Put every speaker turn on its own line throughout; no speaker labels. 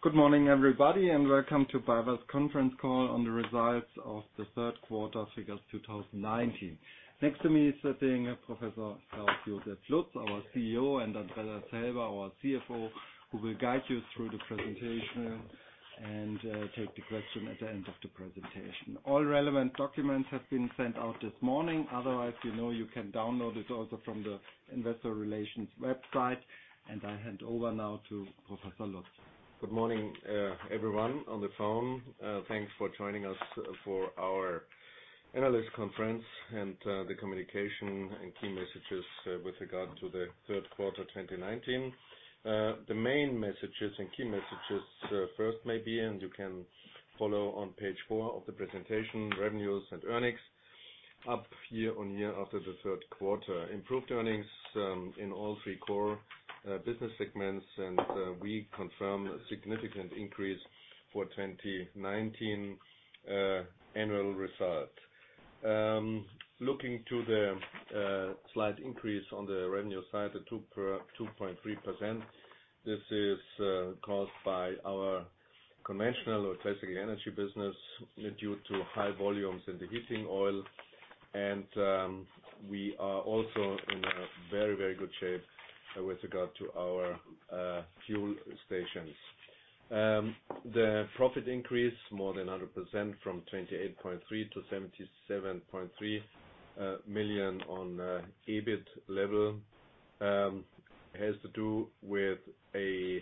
Good morning everybody, welcome to BayWa's conference call on the results of the third quarter figures 2019. Next to me is sitting Professor Klaus Josef Lutz, our CEO, and Andreas Helber, our CFO, who will guide you through the presentation and take the question at the end of the presentation. All relevant documents have been sent out this morning. Otherwise, you know you can download it also from the investor relations website. I hand over now to Professor Lutz.
Good morning, everyone on the phone. Thanks for joining us for our analyst conference and the communication and key messages with regard to the third quarter 2019. The main messages and key messages first maybe. You can follow on page four of the presentation, revenues and earnings up year-on-year after the third quarter. Improved earnings in all three core business segments. We confirm a significant increase for 2019 annual results. Looking to the slight increase on the revenue side, the 2.3%, this is caused by our conventional or classical energy business due to high volumes in the heating oil. We are also in a very good shape with regard to our fuel stations. The profit increase more than 100% from 28.3 to 77.3 million on EBIT level, has to do with a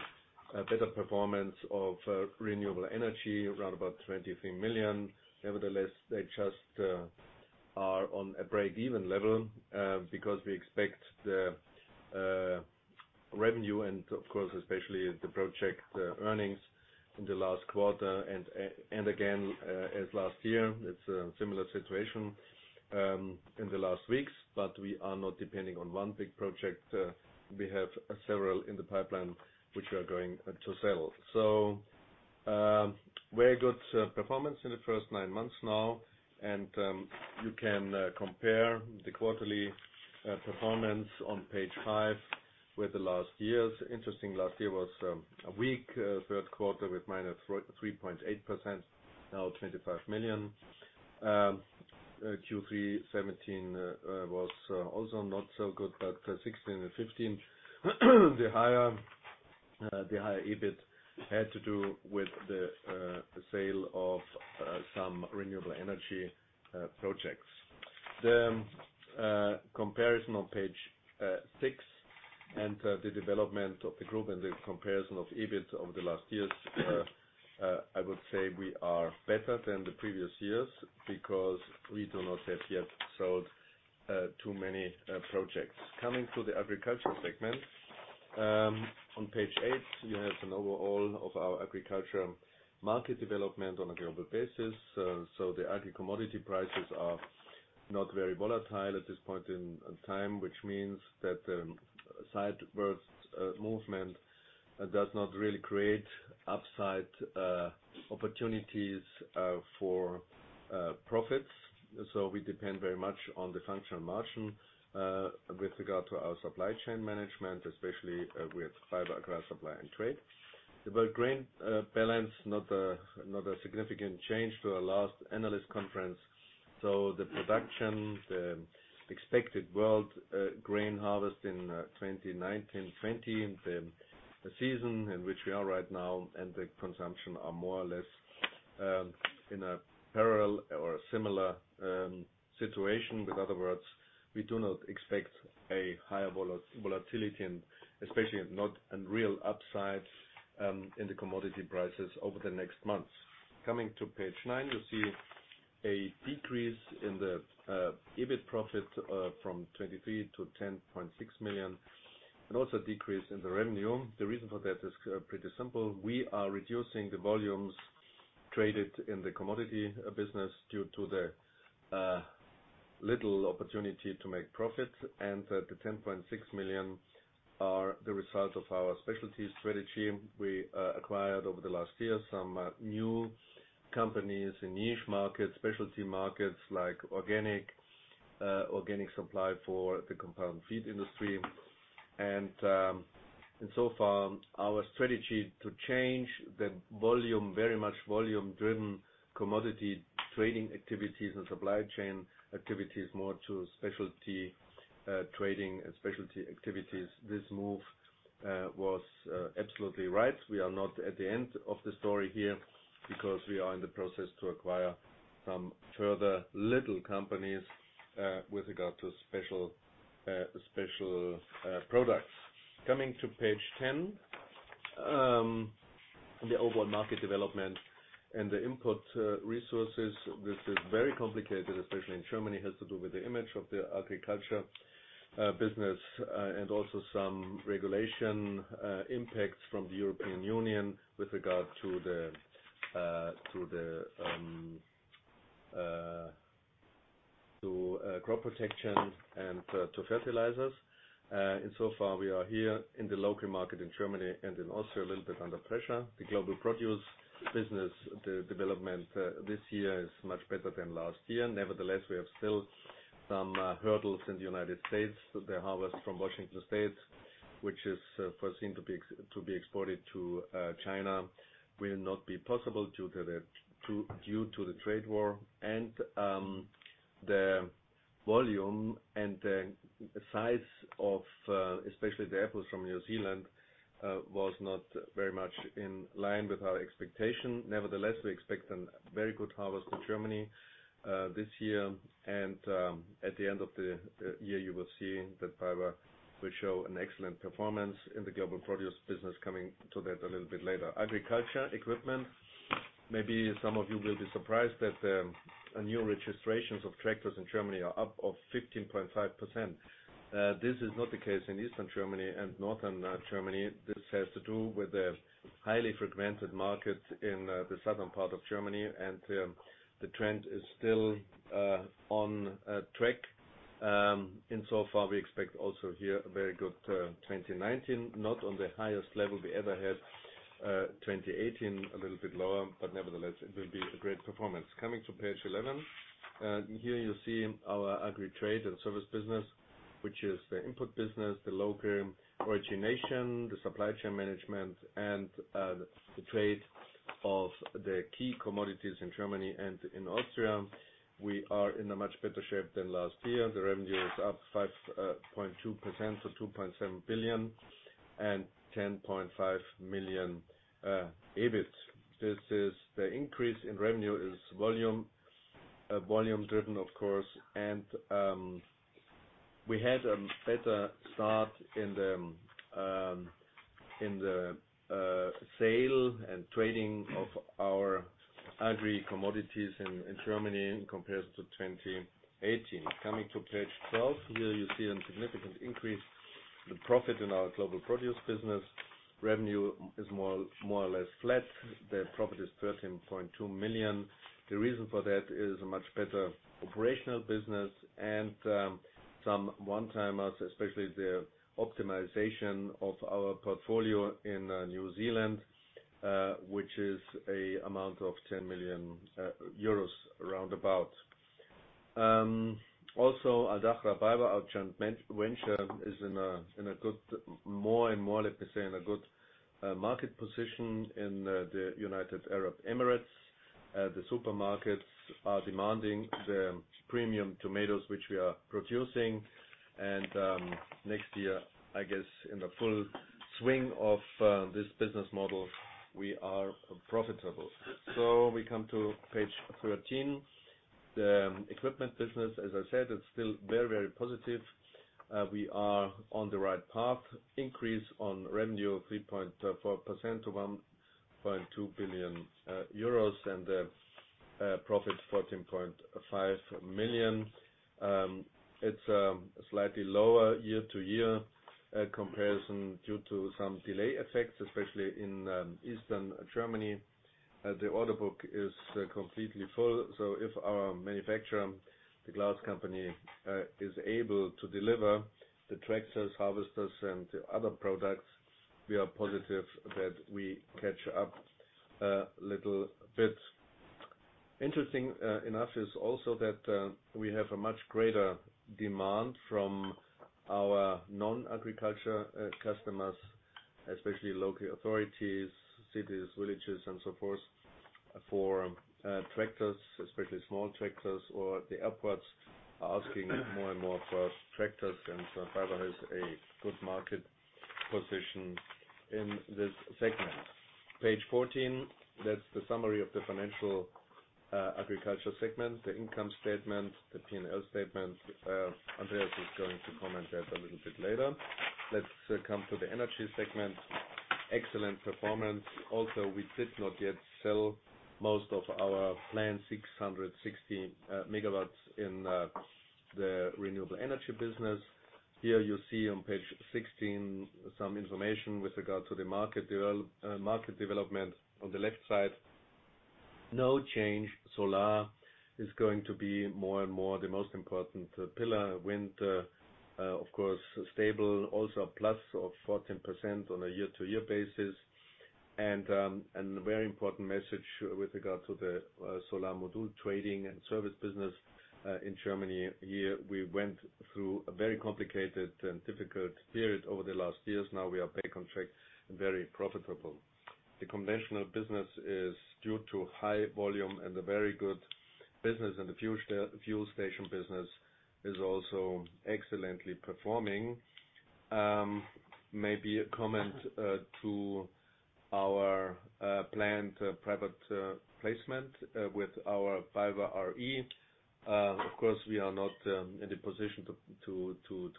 better performance of renewable energy, around about 23 million. Nevertheless, they just are on a break-even level, because we expect the revenue and of course, especially the project earnings in the last quarter and again, as last year, it's a similar situation in the last weeks, but we are not depending on one big project. We have several in the pipeline, which we are going to sell. Very good performance in the first nine months now, and you can compare the quarterly performance on page five with the last year's. Interesting, last year was a weak third quarter with -3.8%, now EUR 25 million. Q3 2017 was also not so good, but 2016 and 2015 the higher EBIT had to do with the sale of some renewable energy projects. The comparison on page six and the development of the group and the comparison of EBIT over the last years, I would say we are better than the previous years because we do not have yet sold too many projects. Coming to the agriculture segment. On page eight, you have an overall of our agriculture market development on a global basis. The agri commodity prices are not very volatile at this point in time, which means that the sidewards movement does not really create upside opportunities for profits. We depend very much on the functional margin, with regard to our supply chain management, especially with fibre grass supply and trade. The world grain balance, not a significant change to our last analyst conference. The production, the expected world grain harvest in 2019/2020, the season in which we are right now and the consumption are more or less in a parallel or a similar situation. In other words, we do not expect a higher volatility and especially not a real upside in the commodity prices over the next months. Coming to page nine, you see a decrease in the EBIT profit from 23 to 10.6 million and also decrease in the revenue. The reason for that is pretty simple. We are reducing the volumes traded in the commodity business due to the little opportunity to make profit, and the 10.6 million are the result of our specialty strategy. We acquired over the last year some new companies in niche markets, specialty markets like organic supply for the compound feed industry and so far our strategy to change the volume, very much volume-driven commodity trading activities and supply chain activities, more to specialty trading and specialty activities. This move was absolutely right. We are not at the end of the story here because we are in the process to acquire some further little companies, with regard to special products. Coming to page 10. The overall market development and the input resources, this is very complicated, especially in Germany. It has to do with the image of the agriculture business, and also some regulation impacts from the European Union with regard to crop protection and to fertilizers. We are here in the local market in Germany and in Austria, a little bit under pressure. The global produce business development this year is much better than last year. We have still some hurdles in the U.S. The harvest from Washington State, which is foreseen to be exported to China, will not be possible due to the trade war. The volume and the size of especially the apples from New Zealand was not very much in line with our expectation. We expect a very good harvest in Germany this year. At the end of the year, you will see that BayWa will show an excellent performance in the global produce business, coming to that a little bit later. Agriculture equipment, maybe some of you will be surprised that the new registrations of tractors in Germany are up of 15.5%. This is not the case in Eastern Germany and Northern Germany. This has to do with the highly fragmented market in the southern part of Germany. The trend is still on track. Insofar, we expect also here a very good 2019. Not on the highest level we ever had, 2018, a little bit lower, but nevertheless, it will be a great performance. Coming to page 11. Here you see our agri trade and service business, which is the input business, the local origination, the supply chain management, and the trade of the key commodities in Germany and in Austria. We are in a much better shape than last year. The revenue is up 5.2%, so 2.7 billion and 10.5 million EBIT. The increase in revenue is volume-driven, of course, and we had a better start in the sale and trading of our agri commodities in Germany in comparison to 2018. Coming to page 12. Here you see a significant increase: the profit in our global produce business. Revenue is more or less flat. The profit is 13.2 million. The reason for that is a much better operational business and some one-timers, especially the optimization of our portfolio in New Zealand, which is an amount of 10 million euros round about. Al Dahra BayWa Agriculture LLC is in a good, more and more, let me say, in a good market position in the United Arab Emirates. The supermarkets are demanding the premium tomatoes which we are producing. Next year, I guess, in the full swing of this business model, we are profitable. We come to page 13. The equipment business, as I said, it's still very positive. We are on the right path. Increase on revenue of 3.4% to 1.2 billion euros and the profit 14.5 million. It's slightly lower year-to-year comparison due to some delay effects, especially in Eastern Germany. The order book is completely full. If our manufacturer, the CLAAS company, is able to deliver the tractors, harvesters, and other products, we are positive that we catch up a little bit. Interesting enough is also that we have a much greater demand from our non-agriculture customers, especially local authorities, cities, villages, and so forth, for tractors, especially small tractors, or the airports are asking more and more for tractors. BayWa has a good market position in this segment. Page 14, that's the summary of the financial agriculture segment, the income statement, the P&L statement. Andreas is going to comment that a little bit later. Let's come to the energy segment. Excellent performance. Also, we did not yet sell most of our planned 660 MW in the renewable energy business. Here you see on page 16 some information with regard to the market development. On the left side, no change. Solar is going to be more and more the most important pillar. Wind, of course, stable, also a +14% on a year-to-year basis. A very important message with regard to the solar module trading and service business in Germany. Here we went through a very complicated and difficult period over the last years. Now we are back on track and very profitable. The conventional business is due to high volume and the very good business in the fuel station business is also excellently performing. Maybe a comment to our planned private placement with our BayWa r.e. Of course, we are not in the position to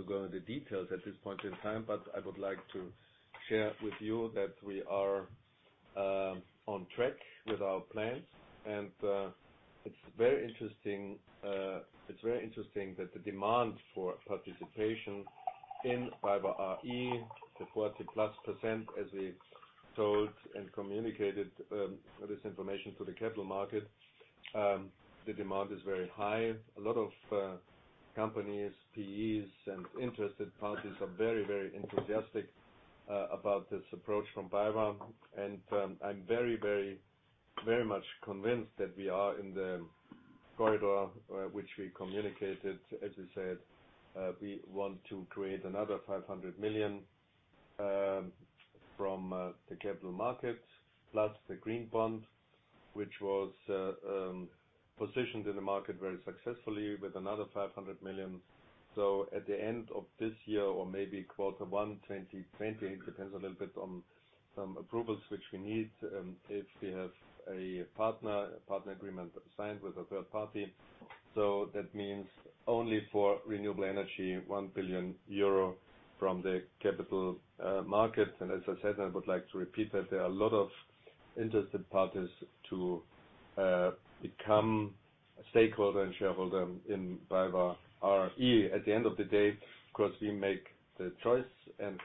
go into details at this point in time, but I would like to share with you that we are on track with our plans. It's very interesting that the demand for participation in BayWa r.e., the 40+% as we told and communicated this information to the capital market. The demand is very high. A lot of companies, PEs, and interested parties are very enthusiastic about this approach from BayWa. I'm very, very much convinced that we are in the corridor which we communicated. As I said, we want to create another 500 million from the capital markets, plus the Green Bond, which was positioned in the market very successfully with another 500 million. At the end of this year or maybe quarter one 2020, it depends a little bit on some approvals which we need, if we have a partner agreement signed with a third party. That means only for renewable energy, 1 billion euro from the capital market. As I said, and I would like to repeat that there are a lot of interested parties to become a stakeholder and shareholder in BayWa r.e. At the end of the day, of course, we make the choice, and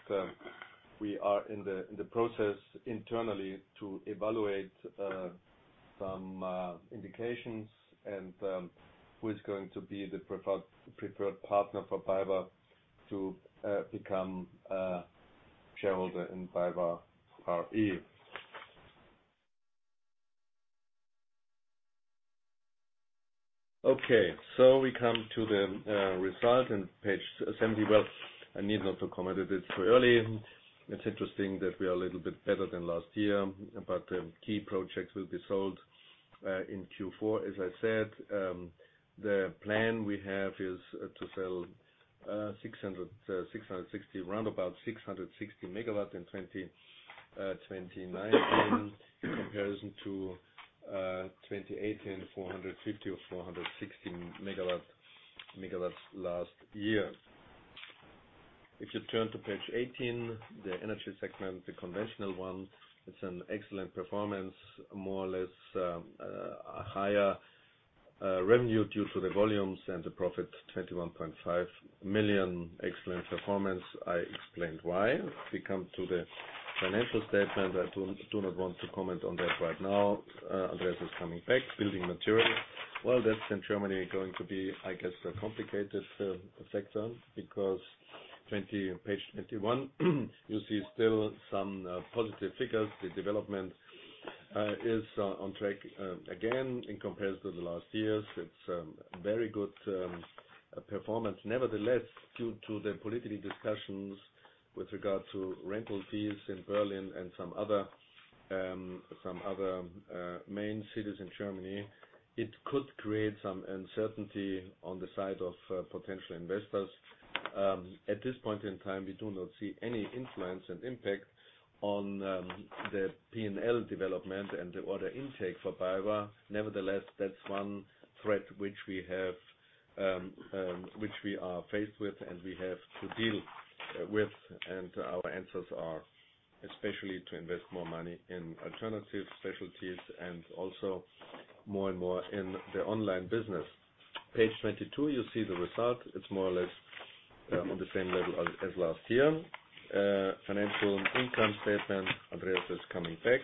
we are in the process internally to evaluate some indications and who is going to be the preferred partner for BayWa to become a shareholder in BayWa r.e. Okay. We come to the result and page 70. Well, I need not to comment it. It's too early. It's interesting that we are a little bit better than last year, the key projects will be sold in Q4. As I said, the plan we have is to sell around about 660 MW in 2019 in comparison to 2018, 450 MW or 460 MW last year. If you turn to page 18, the energy segment, the conventional one, it's an excellent performance, more or less, a higher revenue due to the volumes and the profit, 21.5 million. Excellent performance. I explained why. We come to the financial statement. I do not want to comment on that right now. Andreas is coming back. Building Materials. Well, that's in Germany, going to be, I guess, a complicated sector because page 21, you see still some positive figures. The development is on track. Again, in comparison to the last years, it's very good performance. Nevertheless, due to the political discussions with regard to rental fees in Berlin and some other main cities in Germany, it could create some uncertainty on the side of potential investors. At this point in time, we do not see any influence and impact on the P&L development and the order intake for BayWa. Nevertheless, that's one threat which we are faced with and we have to deal with, and our answers are especially to invest more money in alternative specialties and also more and more in the online business. Page 22, you see the result. It's more or less on the same level as last year. Financial income statement, Andreas is coming back.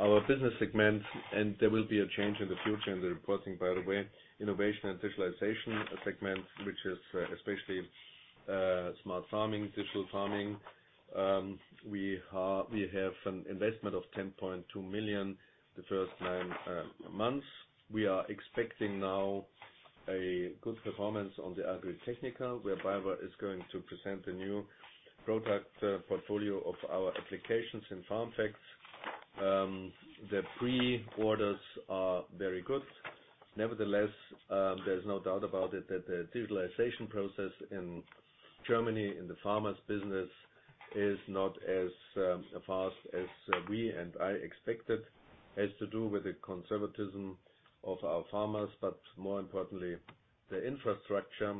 Our business segment, and there will be a change in the future in the reporting, by the way. Innovation and Digitalization segment, which is especially smart farming, digital farming. We have an investment of 10.2 million the first nine months. We are expecting now a good performance on the AGRITECHNICA, where BayWa is going to present a new product portfolio of our applications in FarmFacts. The pre-orders are very good. There's no doubt about it that the digitalization process in Germany in the farmers business is not as fast as we and I expected. It has to do with the conservatism of our farmers, more importantly, the infrastructure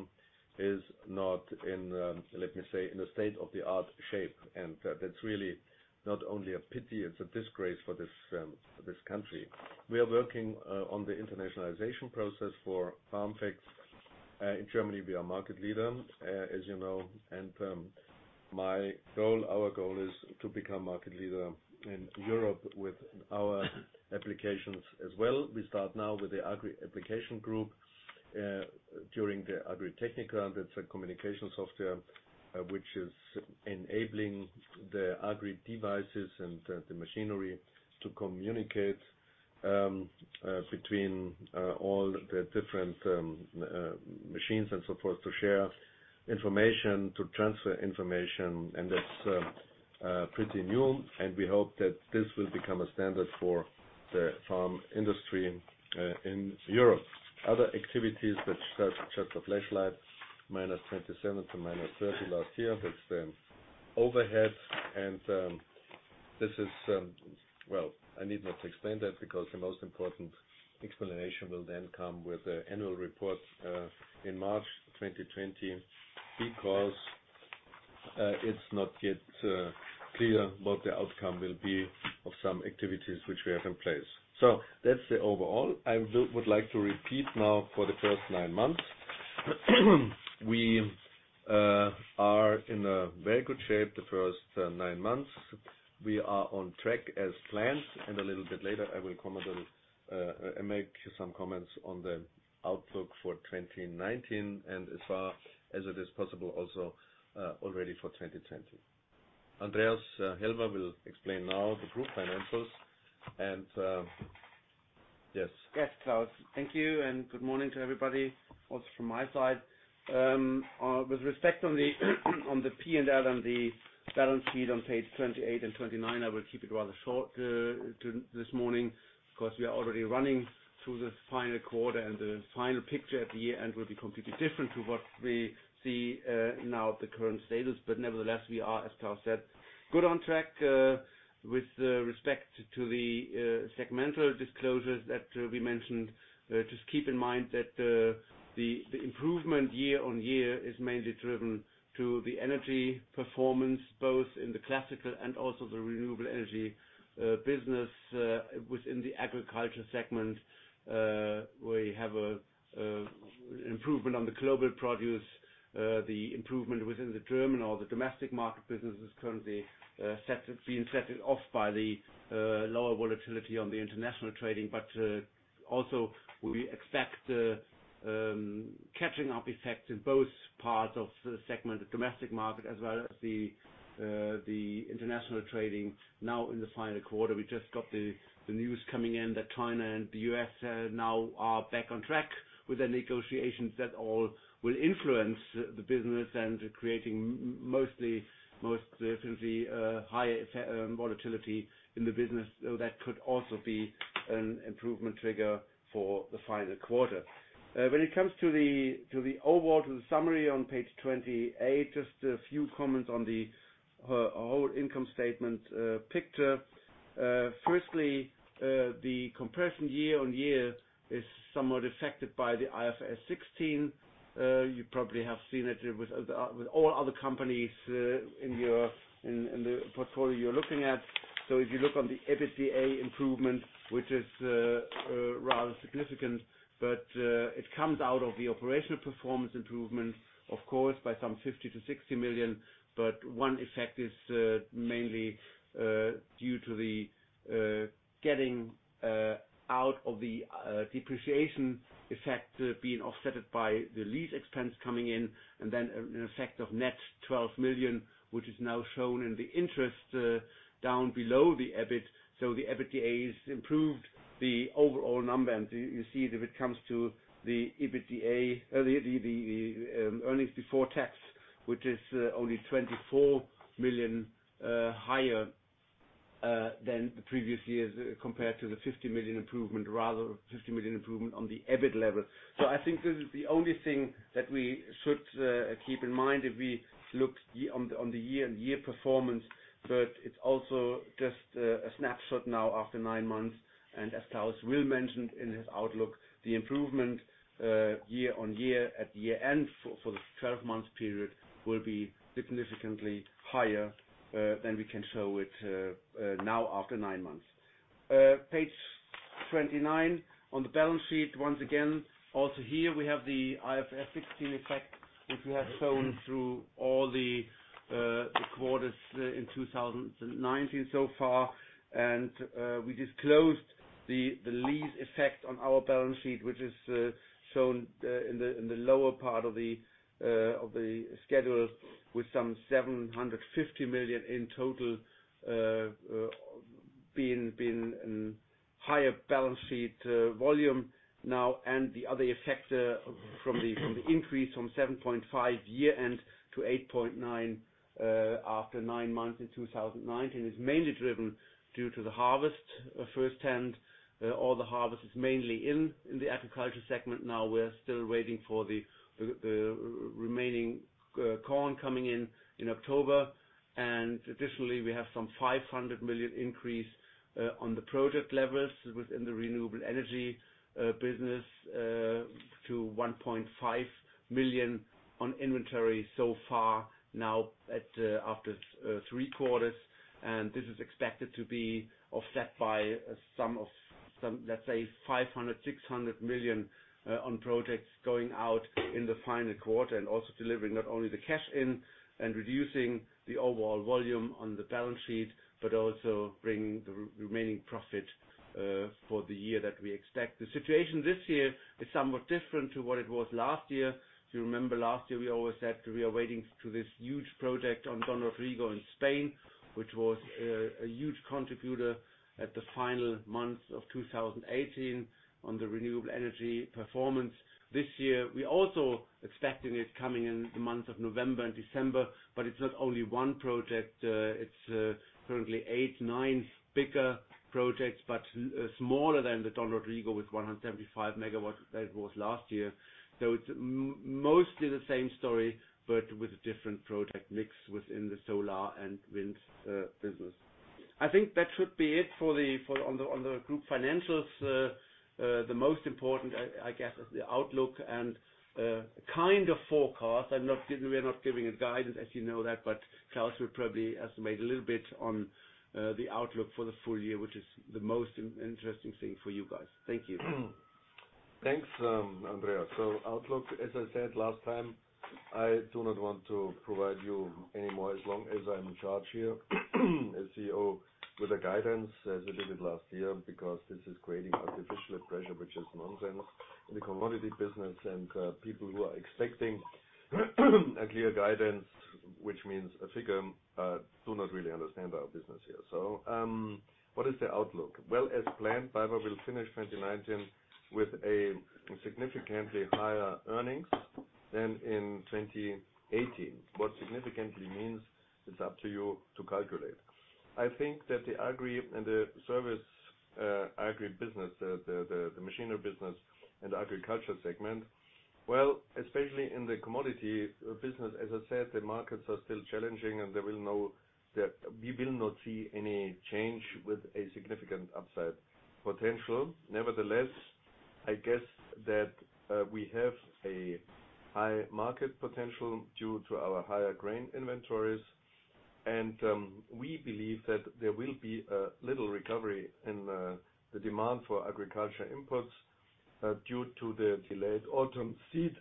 is not in, let me say, in a state-of-the-art shape. That's really not only a pity, it's a disgrace for this country. We are working on the internationalization process for FarmFacts. In Germany, we are market leader, as you know. My goal, our goal, is to become market leader in Europe with our applications as well. We start now with the Agri Application Group during the AGRITECHNICA. That is a communication software which is enabling the agri-devices and the machinery to communicate between all the different machines and so forth to share information, to transfer information. That is pretty new. We hope that this will become a standard for the farm industry in Europe. Other activities that serve such a flashlight, -27 to -30 last year. That is the overhead. Well, I need not to explain that because the most important explanation will then come with the annual report in March 2020 because it is not yet clear what the outcome will be of some activities which we have in place. That is the overall. I would like to repeat now for the first nine months. We are in a very good shape the first nine months. We are on track as planned. A little bit later I will make some comments on the outlook for 2019 and as far as it is possible also already for 2020. Andreas Helber will explain now the group financials.
Yes, Klaus. Thank you. Good morning to everybody also from my side. With respect on the P&L and the balance sheet on page 28 and 29, I will keep it rather short this morning because we are already running through the final quarter, and the final picture at the year-end will be completely different to what we see now at the current status. Nevertheless, we are, as Klaus said, good on track with respect to the segmental disclosures that we mentioned. Just keep in mind that the improvement year-over-year is mainly driven through the energy performance, both in the classical and also the renewable energy business. Within the agriculture segment, we have a improvement on the global produce. The improvement within the German or the domestic market business is currently being set off by the lower volatility on the international trading. Also we expect a catching up effect in both parts of the segment, the domestic market as well as the international trading now in the final quarter. We just got the news coming in that China and the U.S. now are back on track with their negotiations. That all will influence the business and creating most definitely a higher volatility in the business, though that could also be an improvement trigger for the final quarter. When it comes to the overall, to the summary on page 28, just a few comments on the whole income statement picture. Firstly, the comparison year-on-year is somewhat affected by the IFRS 16. You probably have seen it with all other companies in the portfolio you're looking at. If you look on the EBITDA improvement, which is rather significant, it comes out of the operational performance improvement, of course, by some 50 million to 60 million. One effect is mainly due to the getting out of the depreciation effect being offset by the lease expense coming in and then an effect of net 12 million, which is now shown in the interest down below the EBIT. The EBITDA has improved the overall number. You see that when it comes to the EBITDA, the earnings before tax, which is only 24 million higher than the previous years compared to the 50 million improvement, rather 50 million improvement on the EBIT level. I think this is the only thing that we should keep in mind if we look on the year-on-year performance. It's also just a snapshot now after nine months. As Klaus will mentioned in his outlook, the improvement year-over-year at year-end for the 12-month period will be significantly higher than we can show it now after nine months. Page 29 on the balance sheet. Once again, also here we have the IFRS 16 effect, which we have shown through all the quarters in 2019 so far. We disclosed the lease effect on our balance sheet, which is shown in the lower part of the schedule with some 750 million in total being higher balance sheet volume now. The other effect from the increase from 7.5 billion year-end to 8.9 billion after nine months in 2019 is mainly driven due to the harvest firsthand. All the harvest is mainly in the agriculture segment now. We're still waiting for the remaining corn coming in in October. Additionally, we have some 500 million increase on the project levels within the renewable energy business to 1.5 billion on inventory so far now after three quarters. This is expected to be offset by some, let's say, 500 million-600 million on projects going out in the final quarter and also delivering not only the cash in and reducing the overall volume on the balance sheet, but also bringing the remaining profit for the year that we expect. The situation this year is somewhat different to what it was last year. If you remember last year, we always said we are waiting to this huge project on Don Rodrigo in Spain, which was a huge contributor at the final months of 2018 on the renewable energy performance. This year, we're also expecting it coming in the months of November and December, but it's not only one project, it's currently eight, nine bigger projects, but smaller than the Don Rodrigo with 175 MW that it was last year. It's mostly the same story, but with a different project mix within the solar and wind business. I think that should be it on the group financials. The most important, I guess, is the outlook and kind of forecast. We're not giving a guidance, as you know that, but Klaus will probably estimate a little bit on the outlook for the full year, which is the most interesting thing for you guys. Thank you.
Thanks, Andreas. Outlook, as I said last time, I do not want to provide you anymore, as long as I'm in charge here as CEO, with a guidance as I did it last year, because this is creating artificial pressure, which is nonsense in the commodity business. People who are expecting a clear guidance, which means a figure, do not really understand our business here. What is the outlook? Well, as planned, BayWa will finish 2019 with a significantly higher earnings than in 2018. What significantly means, it's up to you to calculate. I think that the agri and the service agri business, the machinery business and agriculture segment, well, especially in the commodity business, as I said, the markets are still challenging and we will not see any change with a significant upside potential. I guess that we have a high market potential due to our higher grain inventories, and we believe that there will be a little recovery in the demand for agriculture inputs due to the delayed autumn seed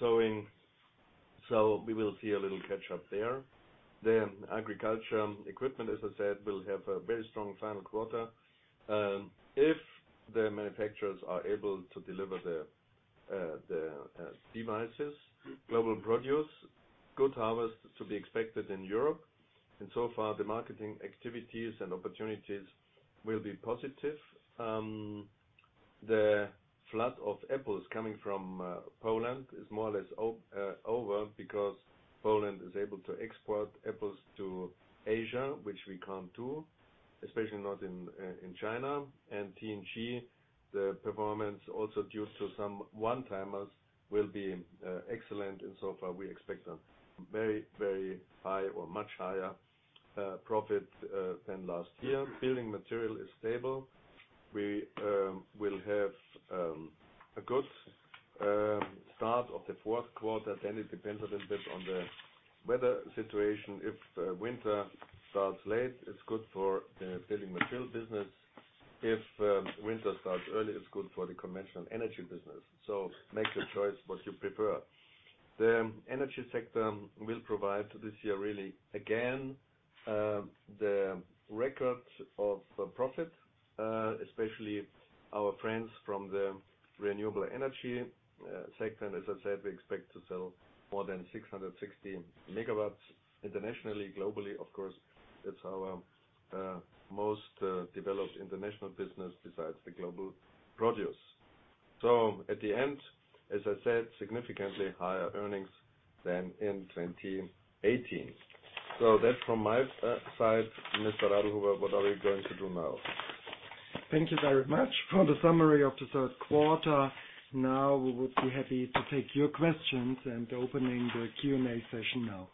sowing. We will see a little catch-up there. Agriculture equipment, as I said, will have a very strong final quarter if the manufacturers are able to deliver their devices. Global produce, good harvest to be expected in Europe, so far the marketing activities and opportunities will be positive. The flood of apples coming from Poland is more or less over because Poland is able to export apples to Asia, which we can't do, especially not in China. T&G, the performance also due to some one-timers, will be excellent. So far, we expect a very high or much higher profit than last year. Building material is stable. We will have a good start of the fourth quarter. It depends a little bit on the weather situation. If winter starts late, it's good for the building material business. If winter starts early, it's good for the conventional energy business. Make your choice what you prefer. The energy sector will provide this year, really again, the record of profit, especially our friends from the renewable energy sector. As I said, we expect to sell more than 660 megawatts internationally. Globally, of course, that's our most developed international business besides the global produce. At the end, as I said, significantly higher earnings than in 2018. That's from my side. Mr. Radeljic, what are we going to do now?
Thank you very much for the summary of the third quarter. We would be happy to take your questions and opening the Q&A session now.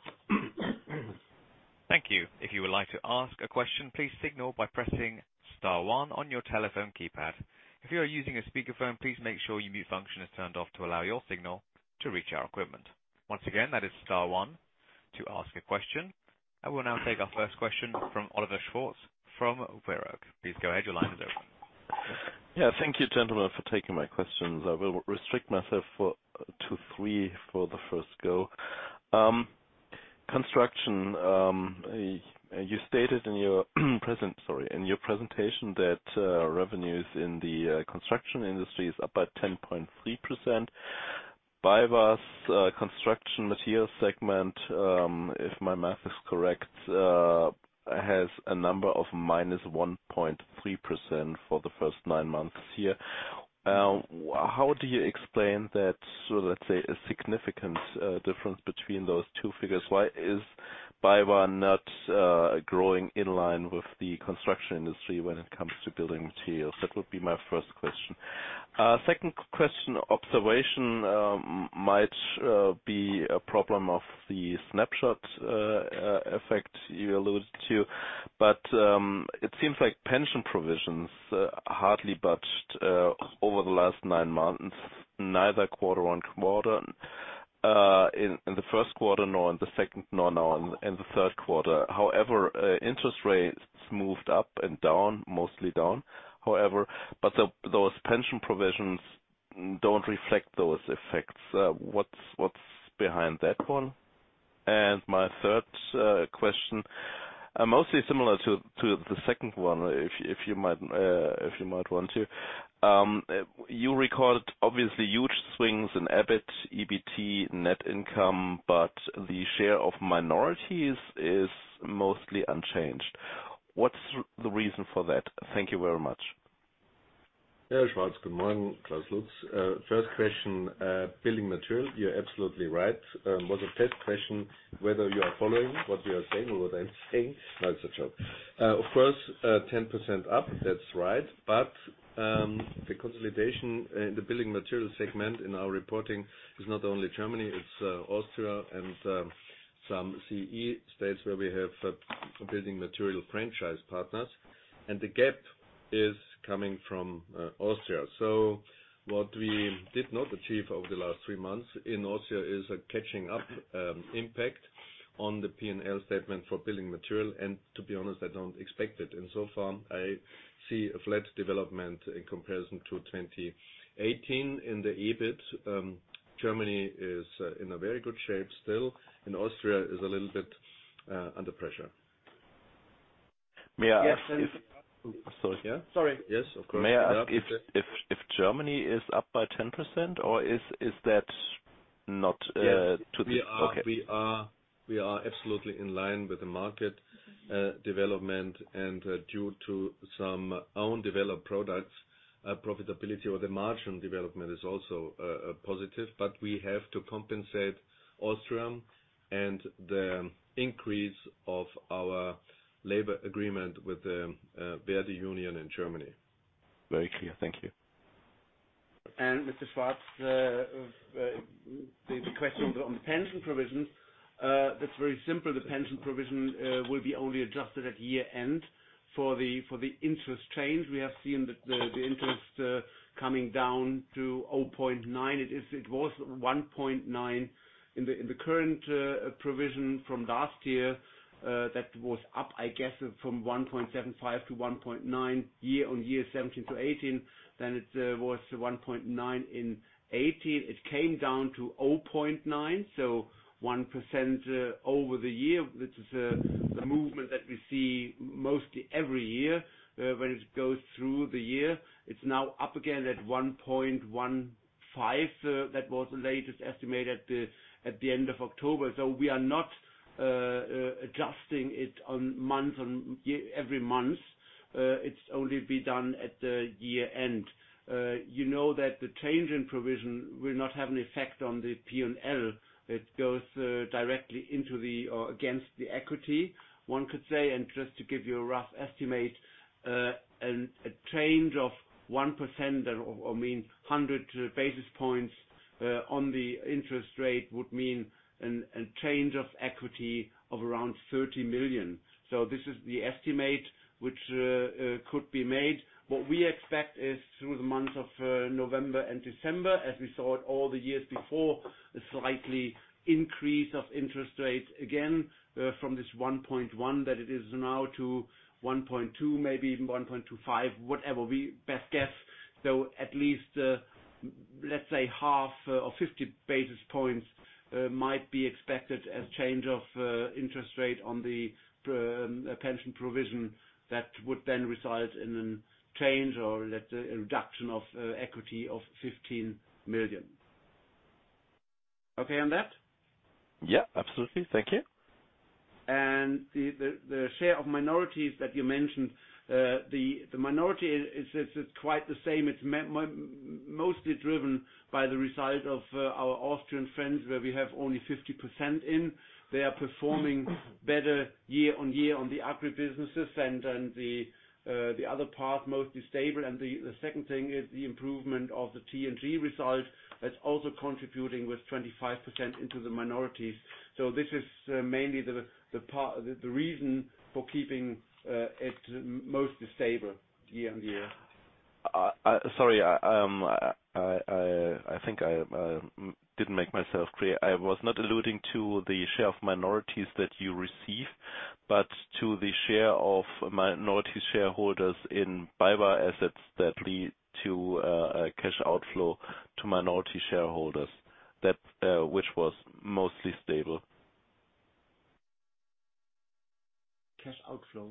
Thank you. If you would like to ask a question, please signal by pressing star one on your telephone keypad. If you are using a speakerphone, please make sure your mute function is turned off to allow your signal to reach our equipment. Once again, that is star one to ask a question. I will now take our first question from Oliver Schwarz from Warburg. Please go ahead. Your line is open.
Yeah. Thank you, gentlemen, for taking my questions. I will restrict myself to three for the first go. Construction. You stated in your presentation that revenues in the construction industry is up by 10.3%. BayWa's construction material segment, if my math is correct, has a number of -1.3% for the first nine months here. How do you explain that, let's say, a significant difference between those two figures? Why is BayWa not growing in line with the construction industry when it comes to building materials? That would be my first question. Second question. Observation might be a problem of the snapshot effect you alluded to, but it seems like pension provisions hardly budged over the last nine months, neither quarter on quarter in the first quarter, nor in the second, nor in the third quarter. However, interest rates moved up and down, mostly down, however. Those pension provisions don't reflect those effects. What's behind that one? My third question, mostly similar to the second one, if you might want to. You recalled, obviously, huge swings in EBIT, net income, but the share of minorities is mostly unchanged. What's the reason for that? Thank you very much.
Schwarz. Good morning, Klaus Lutz. First question, building material. You're absolutely right. Was a test question whether you are following what we are saying or what I'm saying. It's a joke. Of course, 10% up, that's right. The consolidation in the building material segment in our reporting is not only Germany, it's Austria and some CEE states where we have building material franchise partners. The gap is coming from Austria. What we did not achieve over the last three months in Austria is a catching up impact on the P&L statement for building material. To be honest, I don't expect it. So far, I see a flat development in comparison to 2018 in the EBIT. Germany is in a very good shape still. In Austria is a little bit under pressure.
May I ask if-
Yes.
Sorry. Yeah. Sorry. Yes, of course.
May I ask if Germany is up by 10% or is that not-?
Yes.
Okay.
We are absolutely in line with the market development and due to some own developed products, profitability or the margin development is also positive. We have to compensate Austria and the increase of our labor agreement with the ver.di union in Germany.
Very clear. Thank you.
Mr. Schwarz, the question on the pension provision, that's very simple. The pension provision will be only adjusted at year-end for the interest change. We have seen the interest coming down to 0.9%. It was 1.9 in the current provision from last year. That was up, I guess, from 1.75% to 1.9% year-over-year 2017 to 2018. It was 1.9% in 2018. It came down to 0.9%, so 1% over the year. This is the movement that we see mostly every year when it goes through the year. It's now up again at 1.15%. That was the latest estimate at the end of October. We are not adjusting it every month. It's only be done at the year-end. You know that the change in provision will not have an effect on the P&L. It goes directly into the, or against the equity, one could say. Just to give you a rough estimate, a change of 1%, or mean 100 basis points on the interest rate would mean a change of equity of around 30 million. This is the estimate which could be made. What we expect is through the months of November and December, as we saw it all the years before, a slightly increase of interest rates again from this 1.1% that it is now to 1.2%, maybe even 1.25%, whatever we best guess. At least, let's say half or 50 basis points might be expected as change of interest rate on the pension provision that would then result in a change or let's say a reduction of equity of 15 million. Okay on that?
Yeah, absolutely. Thank you.
The share of minorities that you mentioned, the minority is quite the same. It's mostly driven by the result of our Austrian friends, where we have only 50% in. They are performing better year-on-year on the agri businesses and then the other part, mostly stable. The second thing is the improvement of the T&G result. That's also contributing with 25% into the minorities. This is mainly the reason for keeping it mostly stable year-on-year.
Sorry. I think I didn't make myself clear. I was not alluding to the share of minorities that you receive, but to the share of minority shareholders in BayWa assets that lead to a cash outflow to minority shareholders. That which was mostly stable.
Cash outflow.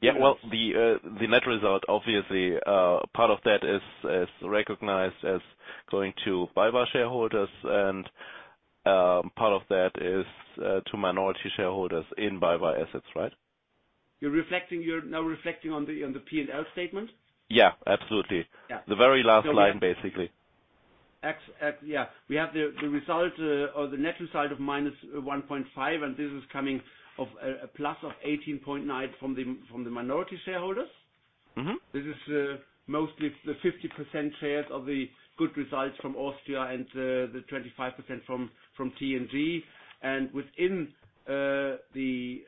Yeah. Well, the net result, obviously, part of that is recognized as going to BayWa shareholders, and part of that is to minority shareholders in BayWa assets, right?
You're now reflecting on the P&L statement?
Yeah, absolutely.
Yeah.
The very last line, basically.
Yeah. We have the result or the net result of -1.5, and this is coming of a +18.9 from the minority shareholders. This is mostly the 50% shares of the good results from Austria and the 25% from T&G. Within the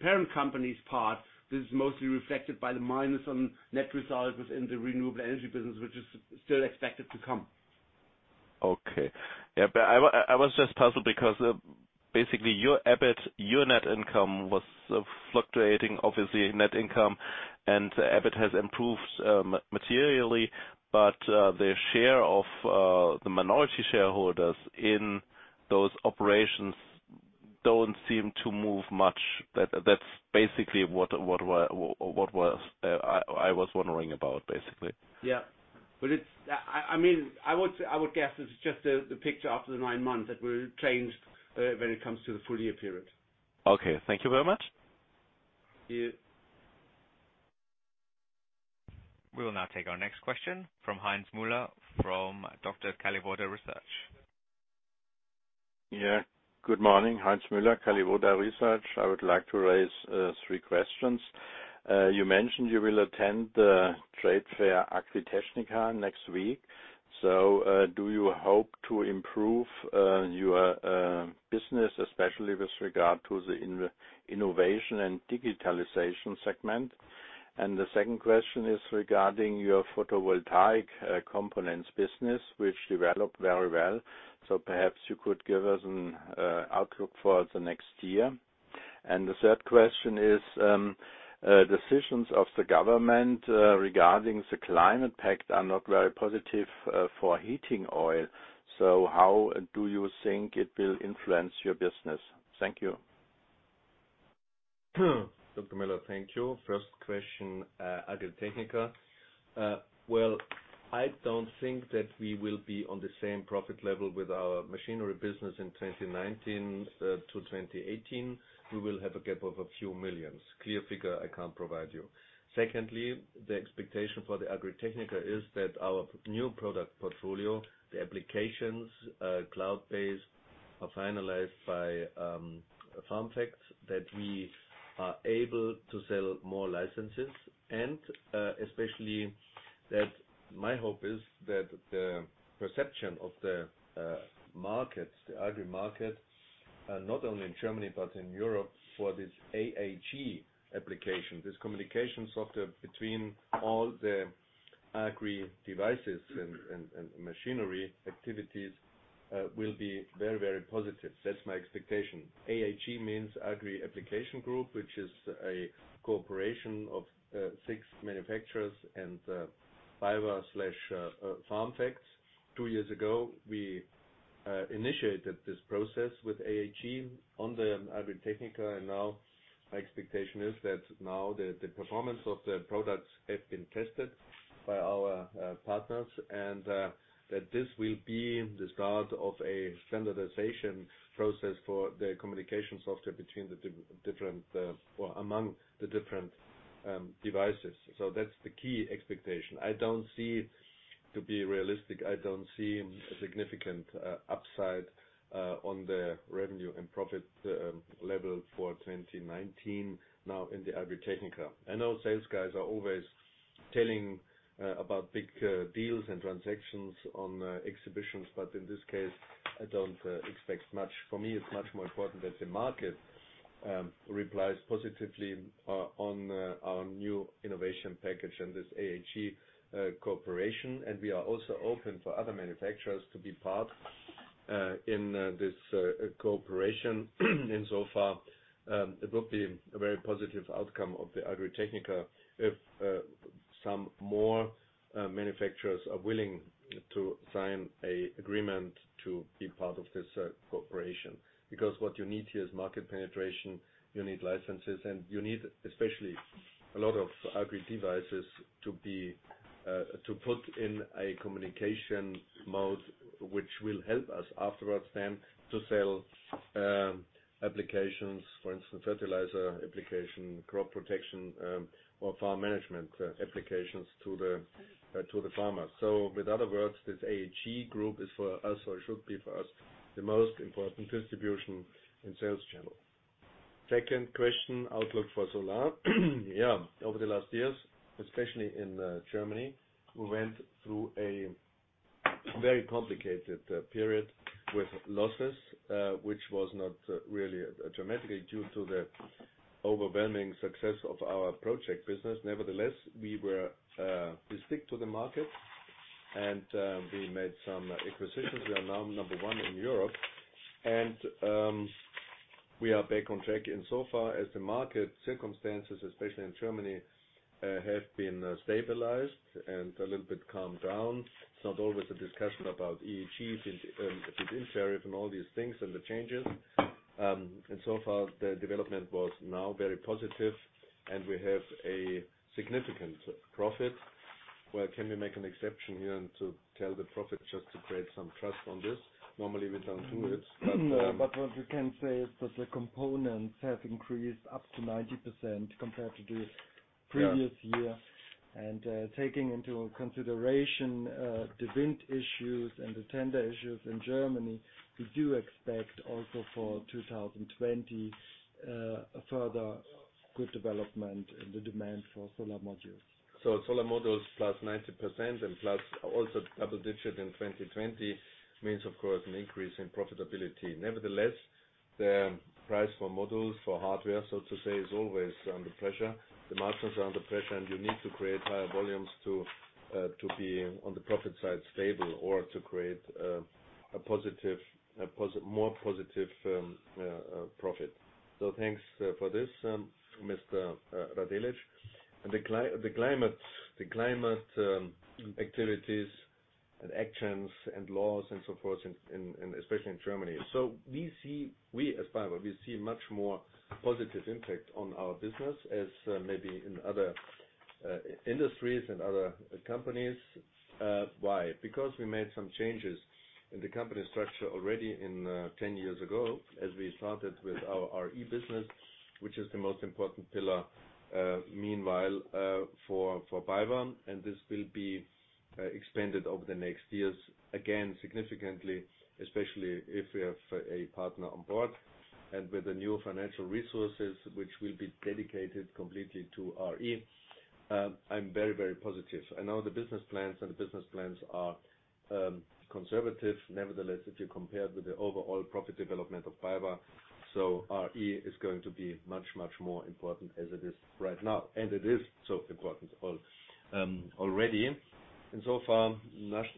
parent company's part, this is mostly reflected by the minus on net results within the renewable energy business, which is still expected to come.
Okay. Yeah, I was just puzzled because basically your EBIT, your net income was fluctuating, obviously net income. The EBIT has improved materially. The share of the minority shareholders in those operations don't seem to move much. That's basically what I was wondering about.
Yeah. I would guess it's just the picture after the nine months that will change when it comes to the full year period.
Okay. Thank you very much.
Yeah.
We will now take our next question from Heinz Müller from Dr. Kalliwoda Research.
Yeah. Good morning. Heinz Müller, Kalliwoda Research. I would like to raise three questions. You mentioned you will attend the trade fair AGRITECHNICA next week. Do you hope to improve your business, especially with regard to the innovation and digitalization segment? The second question is regarding your photovoltaic components business, which developed very well. Perhaps you could give us an outlook for the next year. The third question is, decisions of the government regarding the climate pact are not very positive for heating oil. How do you think it will influence your business? Thank you.
Dr. Müller, thank you. First question, AGRITECHNICA. Well, I don't think that we will be on the same profit level with our machinery business in 2019 to 2018. We will have a gap of a few millions. Clear figure, I can't provide you. Secondly, the expectation for the AGRITECHNICA is that our new product portfolio, the applications, cloud-based, are finalized by FarmFacts, that we are able to sell more licenses. Especially, my hope is that the perception of the agri market, not only in Germany, but in Europe, for this AAG application. This communication software between all the agri devices and machinery activities will be very, very positive. That's my expectation. AAG means Agri Application Group, which is a cooperation of six manufacturers and BayWa/FarmFacts. Two years ago, we initiated this process with AAG on the AGRITECHNICA, and now my expectation is that now the performance of the products have been tested by our partners and that this will be the start of a standardization process for the communication software among the different devices. That's the key expectation. To be realistic, I don't see a significant upside on the revenue and profit level for 2019 now in the AGRITECHNICA. I know sales guys are always telling about big deals and transactions on exhibitions, but in this case, I don't expect much. For me, it's much more important that the market replies positively on our new innovation package and this AAG cooperation, and we are also open for other manufacturers to be part in this cooperation. It will be a very positive outcome of AGRITECHNICA if some more manufacturers are willing to sign an agreement to be part of this cooperation. What you need here is market penetration. You need licenses, and you need, especially, a lot of Agri devices to put in a communication mode, which will help us afterwards then to sell applications, for instance, fertilizer application, crop protection, or farm management applications to the farmers. In other words, this AAG group is for us, or should be for us, the most important distribution and sales channel. Second question, outlook for solar. Over the last years, especially in Germany, we went through a very complicated period with losses, which was not really dramatically due to the overwhelming success of our project business. We stick to the market and we made some acquisitions. We are now number one in Europe, and we are back on track insofar as the market circumstances, especially in Germany, have been stabilized and a little bit calmed down. It's not always a discussion about EEGs and feed-in tariff and all these things and the changes. So far, the development was now very positive, and we have a significant profit. Well, can we make an exception here and to tell the profit just to create some trust on this? Normally, we don't do it.
No, what we can say is that the components have increased up to 90% compared to the previous year.
Yeah.
Taking into consideration the wind issues and the tender issues in Germany, we do expect also for 2020 a further good development in the demand for solar modules.
Solar modules +90% and plus also double digit in 2020 means, of course, an increase in profitability. Nevertheless, the price for modules, for hardware, so to say, is always under pressure. The margins are under pressure, and you need to create higher volumes to be on the profit side stable or to create a more positive profit. Thanks for this, Mr. Radeljic. The climate activities and actions and laws and so forth, especially in Germany. We, as BayWa, we see much more positive impact on our business as maybe in other industries and other companies. Why? Because we made some changes in the company structure already in 10 years ago as we started with our e-business, which is the most important pillar meanwhile, for BayWa. This will be expanded over the next years, again, significantly, especially if we have a partner on board. With the new financial resources, which will be dedicated completely to RE, I'm very, very positive. I know the business plans, and the business plans are conservative. Nevertheless, if you compare with the overall profit development of BayWa, RE is going to be much, much more important as it is right now. It is so important already. So far,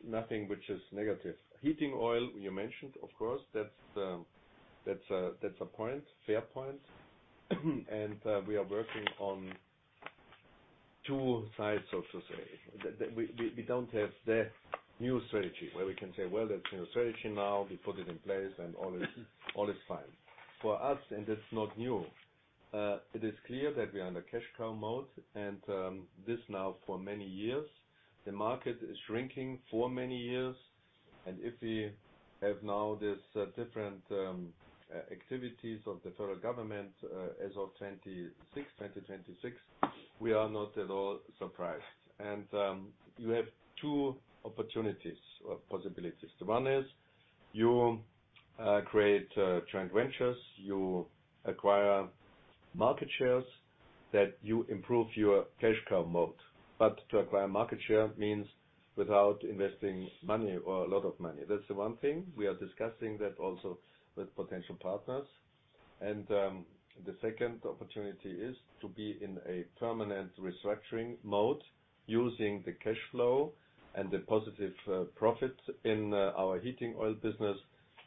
nothing which is negative. Heating oil, you mentioned, of course, that's a point, fair point. We are working on two sides, so to say. We don't have the new strategy where we can say, well, that's new strategy now, we put it in place and all is fine. For us, that's not new, it is clear that we are in a cash cow mode and this now for many years. The market is shrinking for many years. If we have now this different activities of the federal government as of 2026, we are not at all surprised. You have two opportunities or possibilities. The one is you create joint ventures, you acquire market shares, that you improve your cash cow mode. To acquire market share means without investing money or a lot of money. That's the one thing. We are discussing that also with potential partners. The second opportunity is to be in a permanent restructuring mode using the cash flow and the positive profit in our heating oil business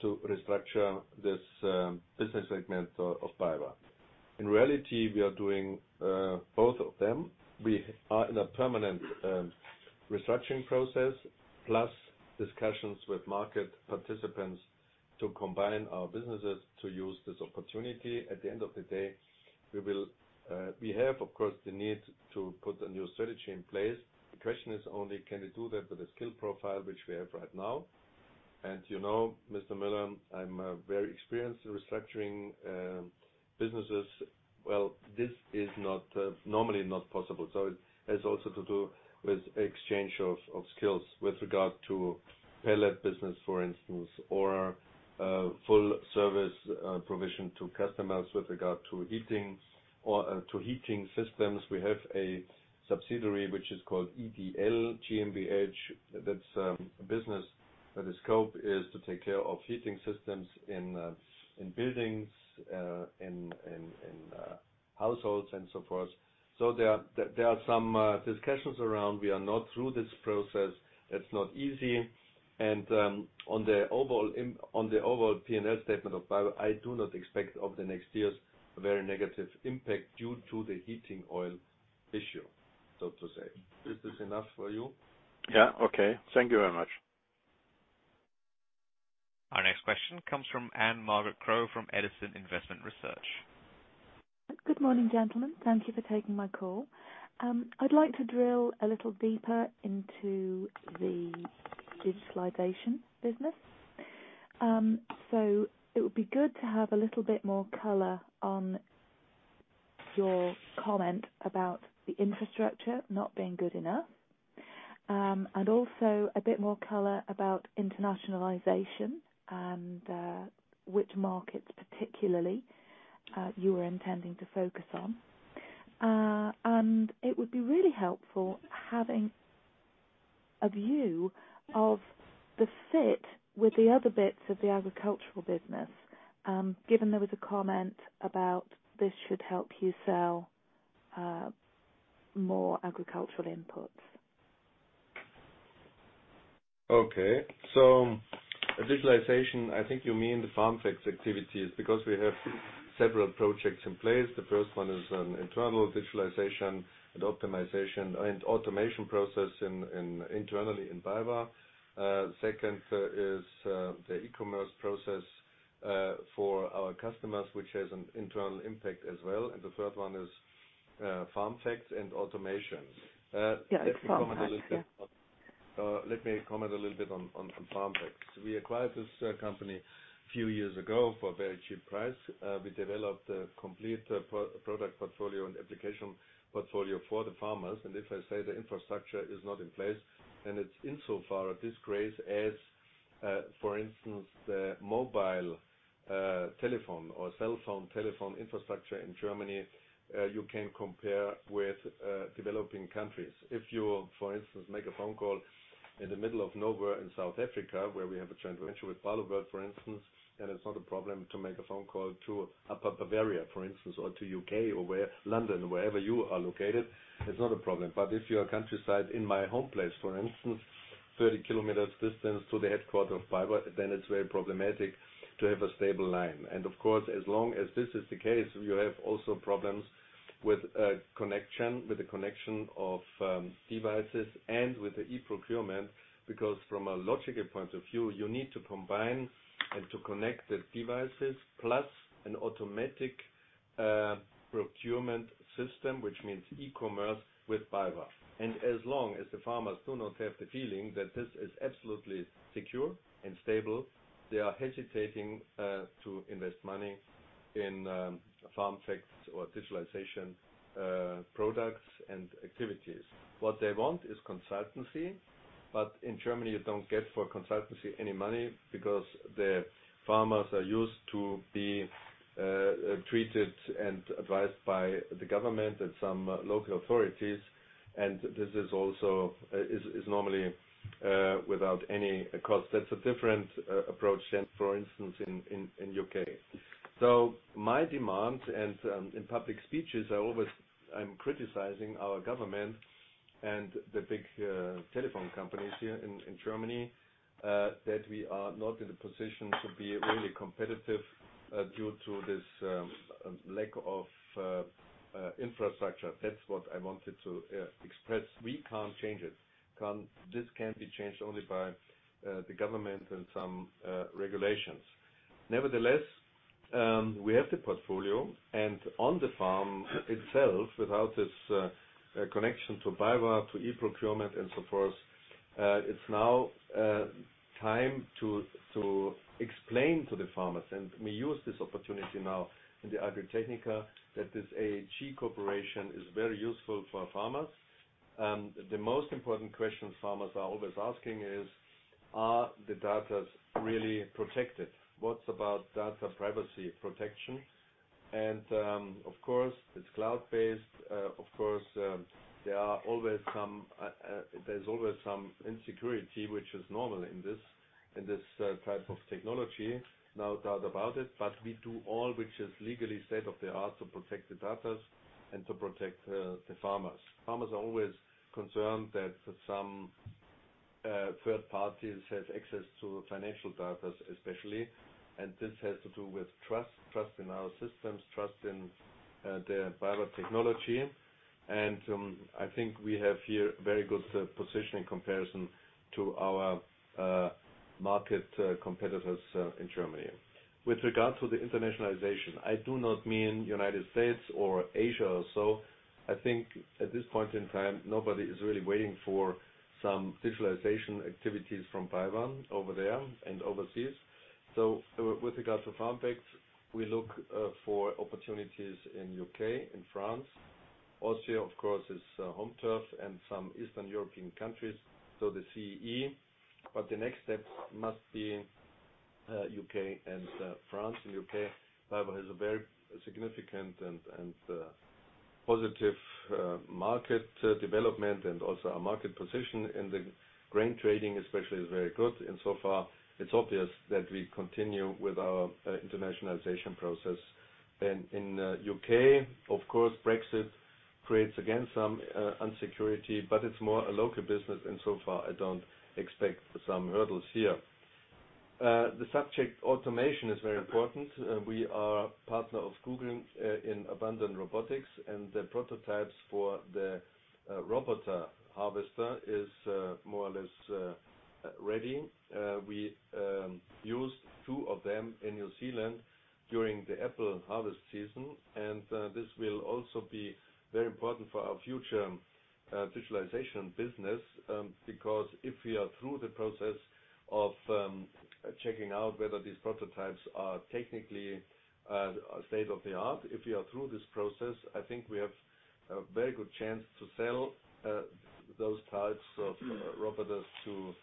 to restructure this business segment of BayWa. In reality, we are doing both of them. We are in a permanent restructuring process, plus discussions with market participants to combine our businesses to use this opportunity. At the end of the day, we have, of course, the need to put a new strategy in place. The question is only, can we do that with the skill profile which we have right now? You know, Mr. Müller, I'm very experienced in restructuring businesses. Well, this is normally not possible. It has also to do with exchange of skills with regard to pellet business, for instance, or full service provision to customers with regard to heating systems. We have a subsidiary, which is called EDL GmbH. That's a business where the scope is to take care of heating systems in buildings, in households and so forth. There are some discussions around. We are not through this process. It's not easy. On the overall P&L statement of BayWa, I do not expect of the next years a very negative impact due to the heating oil issue, so to say. Is this enough for you?
Yeah. Okay. Thank you very much.
Our next question comes from Anne Margaret Crow from Edison Investment Research.
Good morning, gentlemen. Thank you for taking my call. I'd like to drill a little deeper into the digitalization business. It would be good to have a little bit more color on your comment about the infrastructure not being good enough. Also a bit more color about internationalization and which markets particularly you are intending to focus on. It would be really helpful having a view of the fit with the other bits of the agricultural business, given there was a comment about this should help you sell more agricultural inputs.
Okay. Digitalization, I think you mean the FarmFacts activities, because we have several projects in place. The first one is an internal digitalization and optimization and automation process internally in BayWa. Second is the e-commerce process for our customers, which has an internal impact as well. The third one is FarmFacts and automation.
Yes, FarmFacts. Yeah.
Let me comment a little bit on FarmFacts. We acquired this company a few years ago for a very cheap price. We developed a complete product portfolio and application portfolio for the farmers. If I say the infrastructure is not in place, and it's insofar a disgrace as, for instance, the mobile telephone or cell phone telephone infrastructure in Germany, you can compare with developing countries. If you, for instance, make a phone call in the middle of nowhere in South Africa, where we have a joint venture with Barloworld, for instance, and it's not a problem to make a phone call to Upper Bavaria, for instance, or to U.K. or London, wherever you are located. It's not a problem. If you are countryside in my home place, for instance, 30 kilometers distance to the headquarter of BayWa, then it's very problematic to have a stable line. Of course, as long as this is the case, you have also problems with the connection of devices and with the e-procurement, because from a logical point of view, you need to combine and to connect the devices plus an automatic procurement system, which means e-commerce with BayWa. As long as the farmers do not have the feeling that this is absolutely secure and stable, they are hesitating to invest money in FarmFacts or digitalization products and activities. What they want is consultancy. In Germany, you don't get any money for consultancy because the farmers are used to being treated and advised by the government and some local authorities, and this is normally without any cost. That's a different approach than, for instance, in U.K. My demand, and in public speeches, I'm always criticizing our government and the big telephone companies here in Germany, that we are not in a position to be really competitive due to this lack of infrastructure. That's what I wanted to express. We can't change it. This can be changed only by the government and some regulations. Nevertheless, we have the portfolio, and on the farm itself, without this connection to BayWa, to e-procurement and so forth, it's now time to explain to the farmers, and we use this opportunity now in the AGRITECHNICA, that this AAG cooperation is very useful for farmers. The most important question farmers are always asking is, are the data really protected? What about data privacy protection? Of course, it's cloud-based. Of course, there's always some insecurity, which is normal in this type of technology, no doubt about it, but we do all which is legally state-of-the-art to protect the data and to protect the farmers. Farmers are always concerned that some third parties have access to financial data especially, this has to do with trust in our systems, trust in the BayWa technology. I think we have here a very good position in comparison to our market competitors in Germany. With regards to the internationalization, I do not mean U.S. or Asia or so. I think at this point in time, nobody is really waiting for some digitalization activities from BayWa over there and overseas. With regards to FarmFacts, we look for opportunities in U.K., in France. Austria, of course, is home turf and some Eastern European countries, so the CEE. The next step must be U.K. and France. In U.K., BayWa has a very significant and positive market development, and also our market position in the grain trading especially is very good. So far, it's obvious that we continue with our internationalization process. In U.K., of course, Brexit creates again some insecurity, but it's more a local business, and so far, I don't expect some hurdles here. The subject automation is very important. We are a partner of Google in Abundant Robotics, and the prototypes for the robot harvester is more or less ready. We used two of them in New Zealand during the apple harvest season, this will also be very important for our future digitalization business, because if we are through the process of checking out whether these prototypes are technically state-of-the-art, if we are through this process, I think we have a very good chance to sell those types of robots to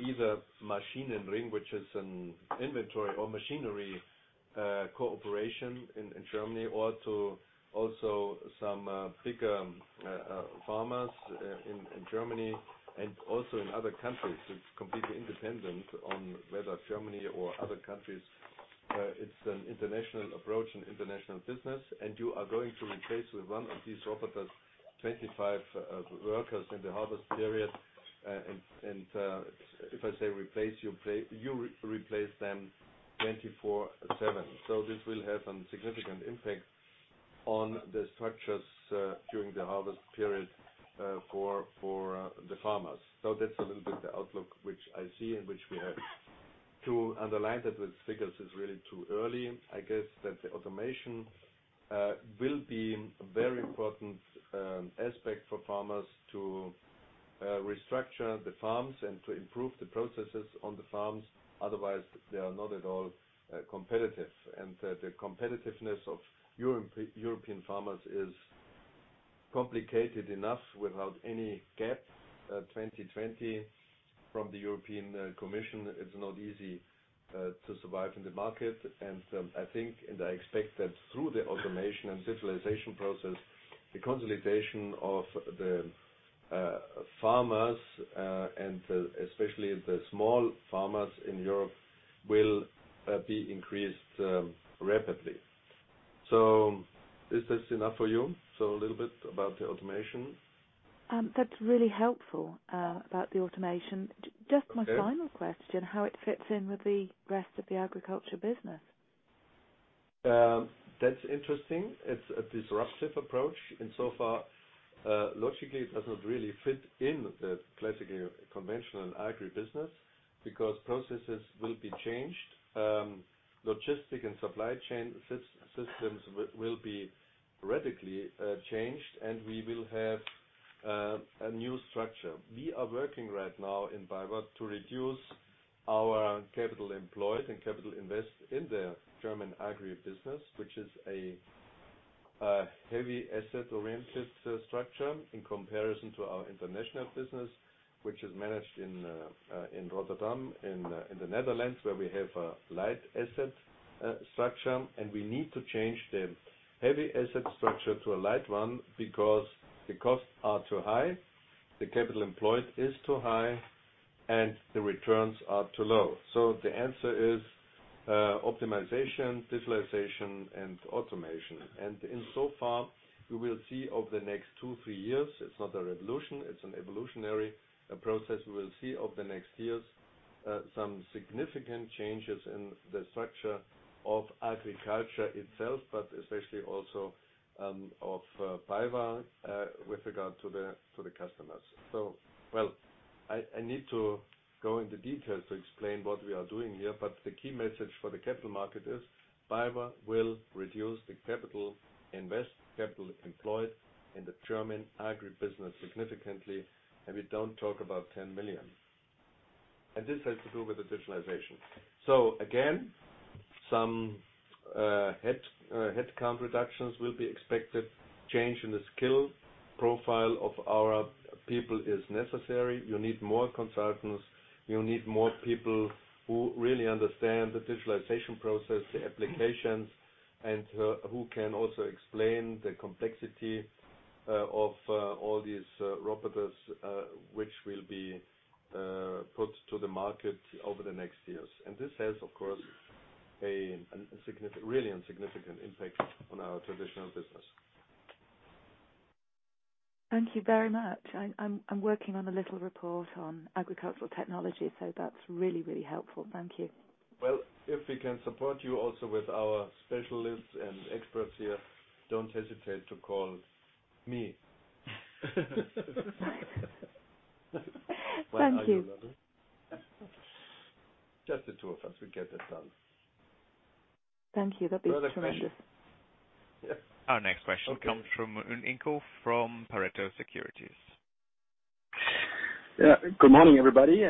either Maschinenring, which is an inventory or machinery cooperation in Germany, or to also some bigger farmers in Germany and also in other countries. It's completely independent on whether Germany or other countries. It's an international approach, an international business, you are going to replace with one of these robot 25 workers in the harvest period. If I say replace, you replace them 24/7. This will have some significant impact on the structures during the harvest period for the farmers. That's a little bit the outlook which I see and which we have. To underline that with figures is really too early, I guess, that the automation will be a very important aspect for farmers to restructure the farms and to improve the processes on the farms. Otherwise, they are not at all competitive. The competitiveness of European farmers is complicated enough without any CAP 2020 from the European Commission, it's not easy to survive in the market. I think, and I expect that through the automation and digitalization process, the consolidation of the farmers, and especially the small farmers in Europe, will be increased rapidly. Is this enough for you? A little bit about the automation.
That's really helpful about the automation.
Okay.
Just my final question, how it fits in with the rest of the agriculture business.
That's interesting. It's a disruptive approach, and so far, logically, it doesn't really fit in the classically conventional agri business because processes will be changed. Logistics and supply chain systems will be radically changed, and we will have a new structure. We are working right now in BayWa to reduce our capital employed and capital invested in the German agri business, which is a heavy asset-oriented structure in comparison to our international business, which is managed in Rotterdam, in the Netherlands, where we have a light asset structure. We need to change the heavy asset structure to a light one because the costs are too high, the capital employed is too high, and the returns are too low. The answer is optimization, digitalization, and automation. Insofar, you will see over the next two, three years, it's not a revolution, it's an evolutionary process. We will see over the next years some significant changes in the structure of agriculture itself, but especially also of BayWa with regard to the customers. I need to go into details to explain what we are doing here, but the key message for the capital market is BayWa will reduce the capital invest, capital employed in the German agribusiness significantly, and we don't talk about 10 million. This has to do with the digitalization. Again, some headcount reductions will be expected. Change in the skill profile of our people is necessary. You need more consultants. You need more people who really understand the digitalization process, the applications, and who can also explain the complexity of all these robots which will be put to the market over the next years. This has, of course, a really significant impact on our traditional business.
Thank you very much. I'm working on a little report on agricultural technology, so that's really helpful. Thank you.
Well, if we can support you also with our specialists and experts here, don't hesitate to call me.
Thank you.
My argument. Just the two of us, we get that done.
Thank you. That'd be tremendous.
Yes.
Our next question comes from Ingo from Pareto Securities.
Good morning, everybody.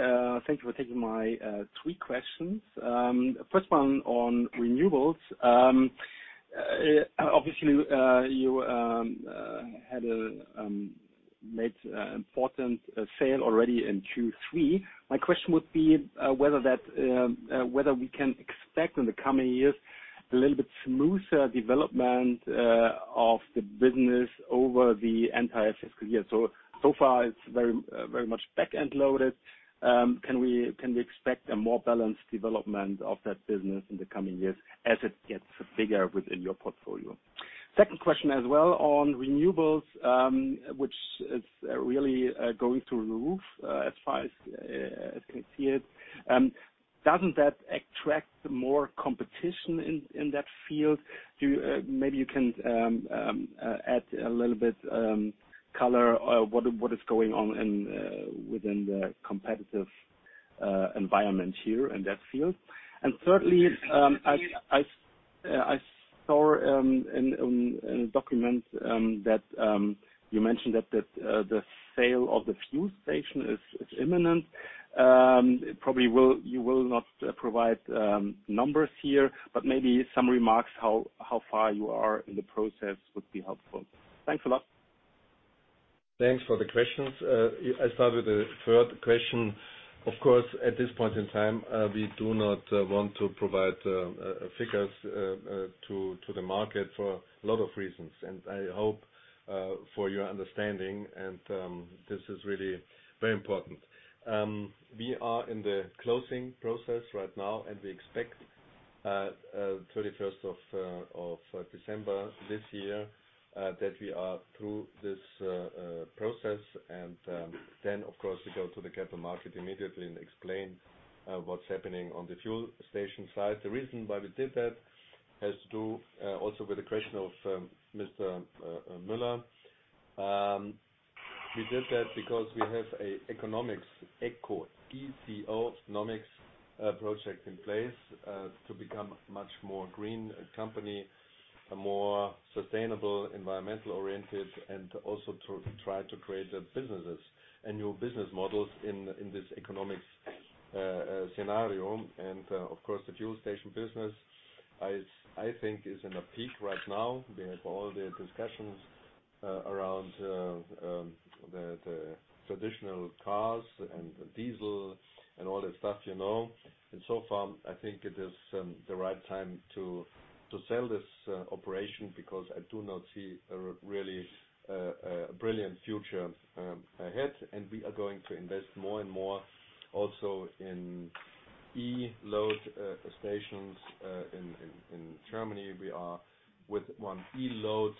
Thank you for taking my three questions. First one on renewables. Obviously, you made important sale already in Q3. My question would be whether we can expect in the coming years a little bit smoother development of the business over the entire fiscal year. So far, it's very much back-end loaded. Can we expect a more balanced development of that business in the coming years as it gets bigger within your portfolio? Second question as well on renewables, which is really going through the roof, as far as I can see it. Doesn't that attract more competition in that field? Maybe you can add a little bit color what is going on within the competitive environment here in that field. Thirdly, I saw in a document that you mentioned that the sale of the fuel station is imminent. Probably you will not provide numbers here, but maybe some remarks how far you are in the process would be helpful. Thanks a lot.
Thanks for the questions. I'll start with the third question. Of course, at this point in time, we do not want to provide figures to the market for a lot of reasons. I hope for your understanding, and this is really very important. We are in the closing process right now, and we expect 31st of December this year that we are through this process, and then, of course, we go to the capital market immediately and explain what's happening on the fuel station side. The reason why we did that has to do also with the question of Mr. Müller. We did that because we have a ECOnomics, eco, E-C-O-nomics project in place to become much more green company, a more sustainable, environmental-oriented, and also to try to create businesses and new business models in this ECOnomics scenario. Of course, the fuel station business, I think is in a peak right now. We have all the discussions around the traditional cars and diesel and all that stuff. So far, I think it is the right time to sell this operation because I do not see a really brilliant future ahead, and we are going to invest more and more also in e-charging stations in Germany. We are with one e-load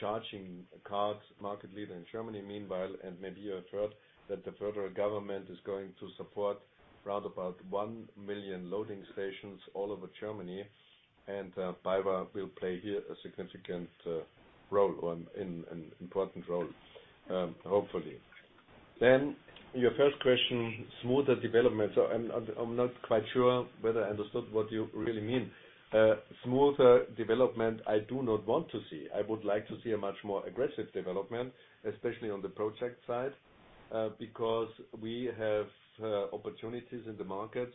charging cards market leader in Germany, meanwhile. Maybe you have heard that the federal government is going to support round about 1 million loading stations all over Germany. BayWa will play here a significant role or an important role, hopefully. Your first question, smoother development. I'm not quite sure whether I understood what you really mean. Smoother development, I do not want to see. I would like to see a much more aggressive development, especially on the project side, because we have opportunities in the markets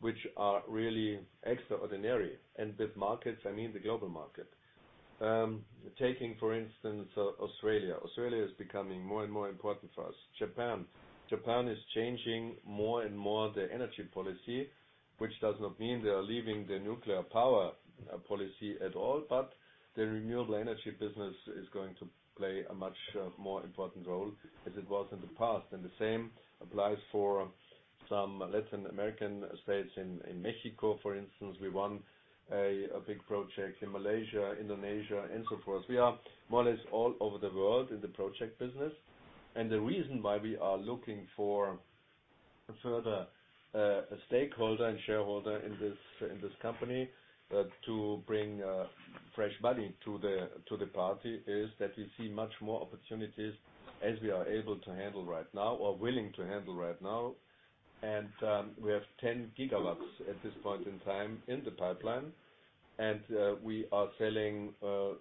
which are really extraordinary. With markets, I mean the global market. Taking, for instance, Australia. Australia is becoming more and more important for us. Japan. Japan is changing more and more their energy policy, which does not mean they are leaving the nuclear power policy at all, but the renewable energy business is going to play a much more important role as it was in the past. The same applies for some Latin American states. In Mexico, for instance, we won a big project, in Malaysia, Indonesia, and so forth. We are more or less all over the world in the project business. The reason why we are looking for further stakeholder and shareholder in this company to bring fresh money to the party is that we see much more opportunities as we are able to handle right now or willing to handle right now. We have 10 GW at this point in time in the pipeline, and we are selling,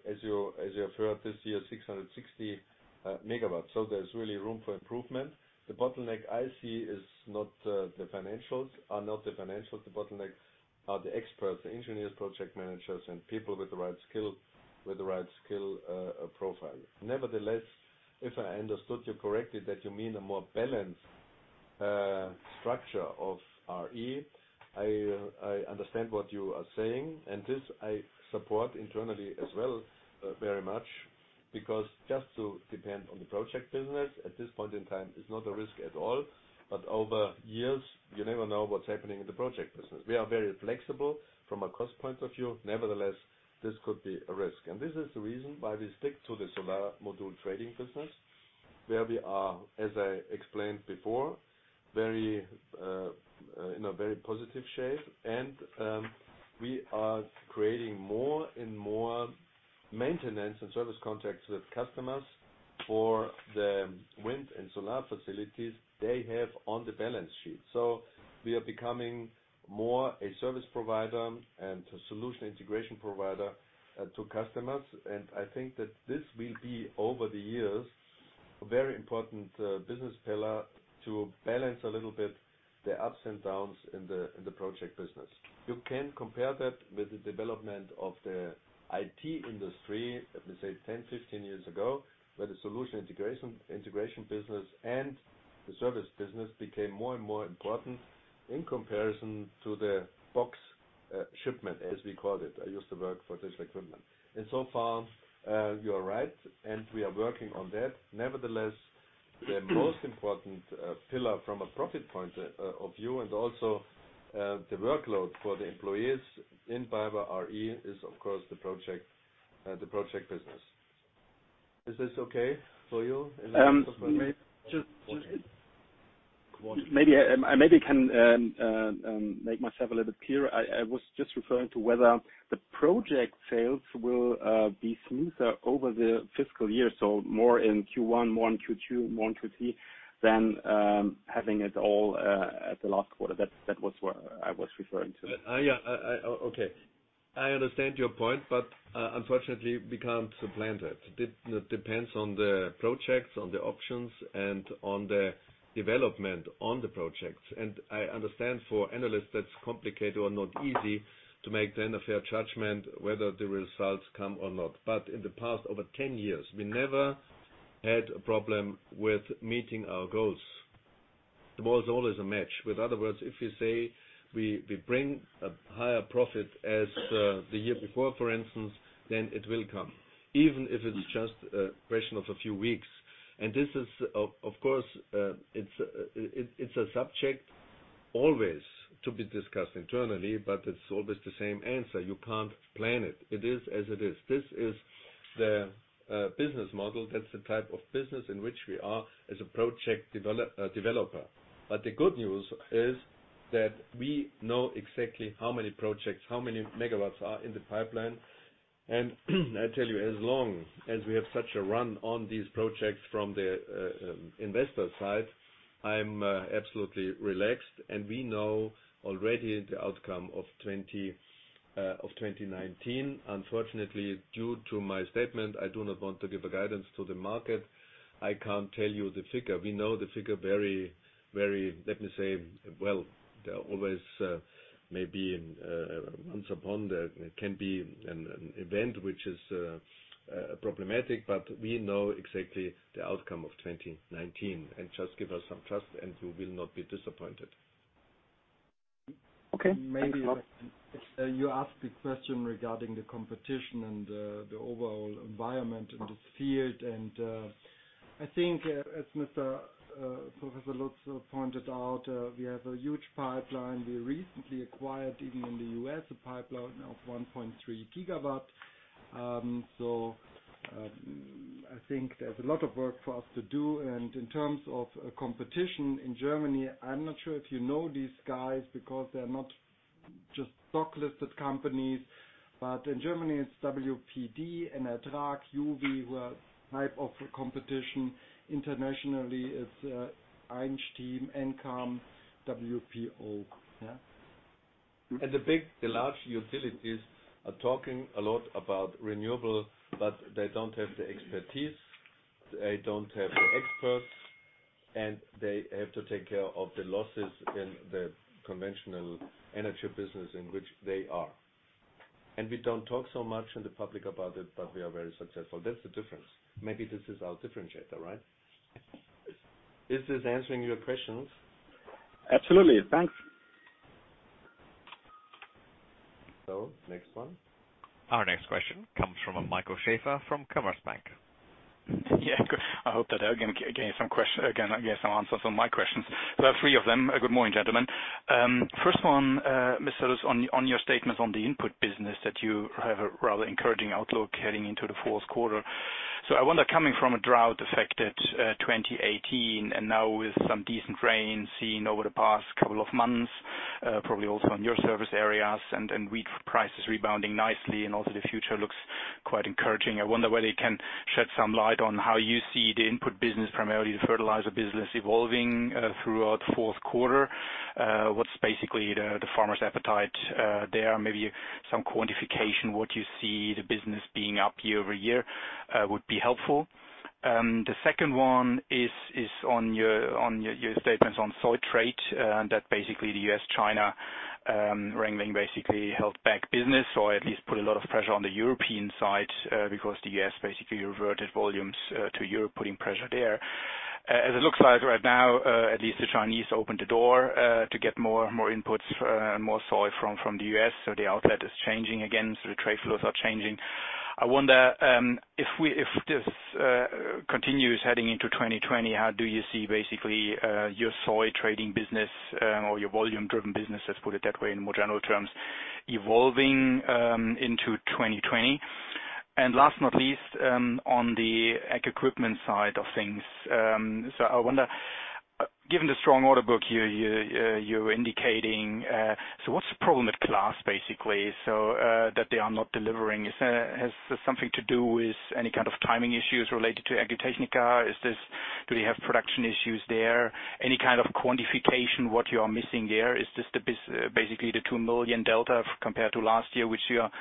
as you have heard this year, 660 megawatts. There's really room for improvement. The bottleneck I see is not the financials. The bottlenecks are the experts, the engineers, project managers, and people with the right skill profile. Nevertheless, if I understood you correctly, that you mean a more balanced structure of r.e. I understand what you are saying, and this I support internally as well very much, because just to depend on the project business at this point in time is not a risk at all. Over years, you never know what's happening in the project business. We are very flexible from a cost point of view. Nevertheless, this could be a risk. This is the reason why we stick to the solar module trading business where we are, as I explained before, in a very positive shape. We are creating more and more maintenance and service contracts with customers for the wind and solar facilities they have on the balance sheet. We are becoming more a service provider and a solution integration provider to customers. I think that this will be, over the years, a very important business pillar to balance a little bit the ups and downs in the project business. You can compare that with the development of the IT industry, let me say, 10, 15 years ago, where the solution integration business and the service business became more and more important in comparison to the box shipment, as we called it. I used to work for this equipment. So far, you are right and we are working on that. Nevertheless, the most important pillar from a profit point of view and also the workload for the employees in BayWa r.e. is, of course, the project business. Is this okay for you?
Maybe I can make myself a little clear. I was just referring to whether the project sales will be smoother over the fiscal year. More in Q1, more in Q2, more in Q3 than having it all at the last quarter. That was where I was referring to.
I understand your point, unfortunately, we can't plan that. It depends on the projects, on the options, on the development on the projects. I understand for analysts that's complicated or not easy to make then a fair judgment whether the results come or not. In the past, over 10 years, we never had a problem with meeting our goals. The ball is always a match. With other words, if you say we bring a higher profit as the year before, for instance, it will come, even if it's just a question of a few weeks. This is, of course, it's a subject always to be discussed internally, it's always the same answer. You can't plan it. It is as it is. This is the business model. That's the type of business in which we are as a project developer. The good news is that we know exactly how many projects, how many megawatts are in the pipeline. I tell you, as long as we have such a run on these projects from the investor side, I'm absolutely relaxed, and we know already the outcome of 2019. Unfortunately, due to my statement, I do not want to give a guidance to the market. I can't tell you the figure. We know the figure very, let me say, well, there are always maybe once upon there can be an event which is problematic, but we know exactly the outcome of 2019. Just give us some trust, and you will not be disappointed.
Okay. Thanks a lot.
Maybe you asked the question regarding the competition and the overall environment in this field. I think as Professor Lutz pointed out, we have a huge pipeline. We recently acquired, even in the U.S., a pipeline of 1.3 GW. I think there's a lot of work for us to do. In terms of competition in Germany, I'm not sure if you know these guys, because they're not just stock-listed companies. In Germany, it's wpd and Attract, juwi, who are type of competition. Internationally, it's Einstein, Encam, WPO. Yeah. The large utilities are talking a lot about renewable, but they don't have the expertise. They don't have the experts, and they have to take care of the losses in the conventional energy business in which they are. We don't talk so much in the public about it, but we are very successful. That's the difference. Maybe this is our differentiator, right? Is this answering your questions?
Absolutely. Thanks.
Next one.
Our next question comes from Michael Schaefer from Commerzbank.
Yeah, good. I hope that I can get some answers on my questions. I have three of them. Good morning, gentlemen. First one, Mr. Lutz, on your statements on the input business that you have a rather encouraging outlook heading into the fourth quarter. I wonder, coming from a drought-affected 2018, and now with some decent rain seen over the past couple of months, probably also in your service areas, and wheat prices rebounding nicely and also the future looks quite encouraging. I wonder whether you can shed some light on how you see the input business, primarily the fertilizer business, evolving throughout the fourth quarter. What's basically the farmers' appetite there? Maybe some quantification, what you see the business being up year-over-year, would be helpful. The second one is on your statements on soy trade, that basically the U.S., China wrangling basically held back business or at least put a lot of pressure on the European side, because the U.S. basically reverted volumes to Europe, putting pressure there. As it looks like right now, at least the Chinese opened the door, to get more inputs, more soy from the U.S. The outlet is changing again, so the trade flows are changing. I wonder, if this continues heading into 2020, how do you see basically, your soy trading business, or your volume-driven business, let's put it that way, in more general terms, evolving into 2020? Last not least, on the ag equipment side of things. I wonder, given the strong order book you're indicating, so what's the problem with CLAAS basically, so that they are not delivering? Has this something to do with any kind of timing issues related to AGRITECHNICA? Do they have production issues there? Any kind of quantification what you are missing there? Is this basically the 2 million delta compared to last year, which you are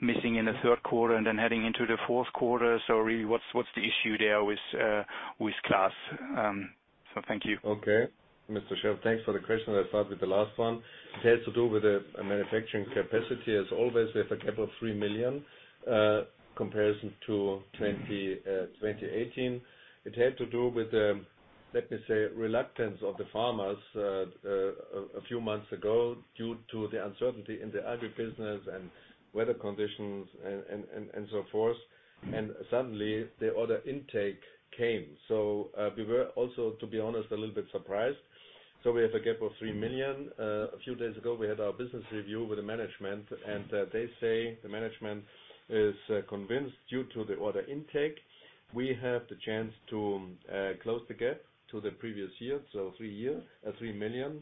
missing in the third quarter and then heading into the fourth quarter? Really, what's the issue there with CLAAS? Thank you.
Mr. Schaefer, thanks for the question. I'll start with the last one. It has to do with the manufacturing capacity. As always, we have a gap of 3 million, comparison to 2018. It had to do with, let me say, reluctance of the farmers a few months ago due to the uncertainty in the agribusiness and weather conditions and so forth. Suddenly, the order intake came. We were also, to be honest, a little bit surprised. We have a gap of 3 million. A few days ago, we had our business review with the management, and they say the management is convinced due to the order intake, we have the chance to close the gap to the previous year, so 3 million.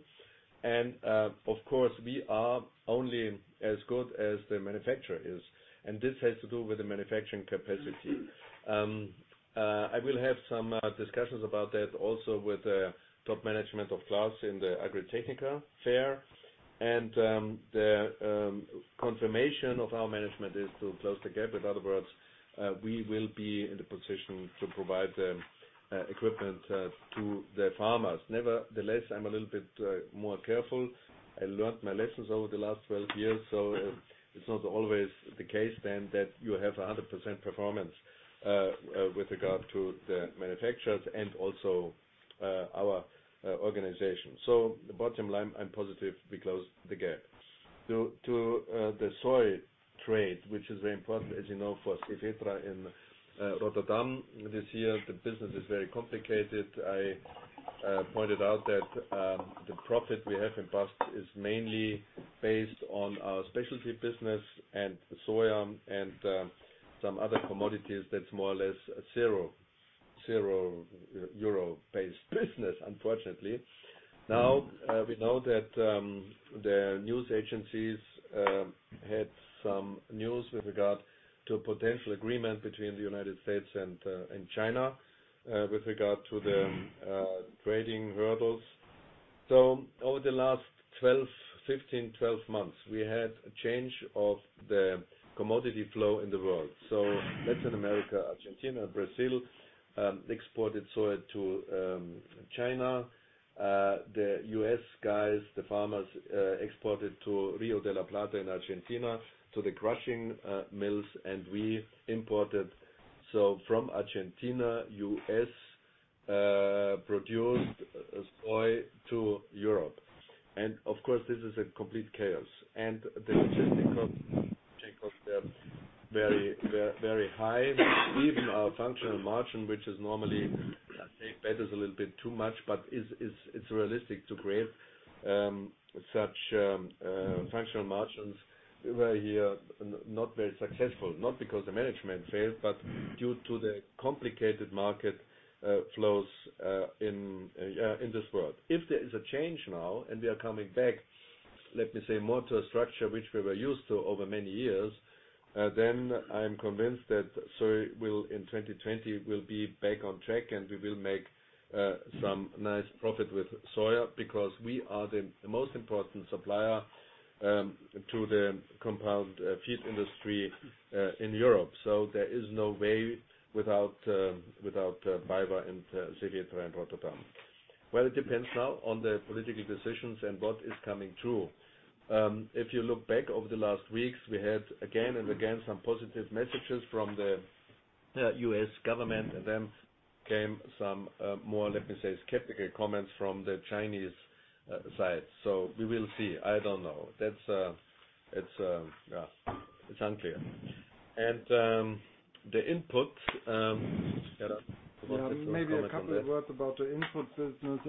Of course, we are only as good as the manufacturer is, and this has to do with the manufacturing capacity. I will have some discussions about that also with the top management of CLAAS in the AGRITECHNICA fair. The confirmation of our management is to close the gap. In other words, we will be in the position to provide the equipment to the farmers. Nevertheless, I'm a little bit more careful. I learned my lessons over the last 12 years, so it's not always the case then that you have 100% performance, with regard to the manufacturers and also our organization. The bottom line, I'm positive we close the gap. To the soy trade, which is very important, as you know, for Cefetra in Rotterdam this year, the business is very complicated. I pointed out that the profit we have in the past is mainly based on our specialty business and the soya and some other commodities that's more or less a zero euro-based business, unfortunately. We know that the news agencies had some news with regard to a potential agreement between the U.S. and China with regard to the trading hurdles. Over the last 15, 12 months, we had a change of the commodity flow in the world. Latin America, Argentina, Brazil, exported soy to China. The U.S. guys, the farmers, exported to Rio de La Plata in Argentina, to the crushing mills, and we imported. From Argentina, U.S.-produced soy to Europe. Of course, this is a complete chaos. The logistics costs are very high. Even our functional margin, which is normally, I say bet is a little bit too much, but it's realistic to create such functional margins, were here not very successful. Not because the management failed, but due to the complicated market flows in this world. If there is a change now and we are coming back, let me say, more to a structure which we were used to over many years, then I'm convinced that soy will, in 2020, will be back on track, and we will make some nice profit with soya because we are the most important supplier to the compound feed industry in Europe. There is no way without BayWa and Cefetra in Rotterdam. Well, it depends now on the political decisions and what is coming true. If you look back over the last weeks, we had again and again some positive messages from the U.S. government, and then came some more, let me say, skeptical comments from the Chinese side. We will see. I don't know. It's unclear. The inputs, yeah, do you want to make a comment on that?
Yeah. Maybe a couple of words about the input business.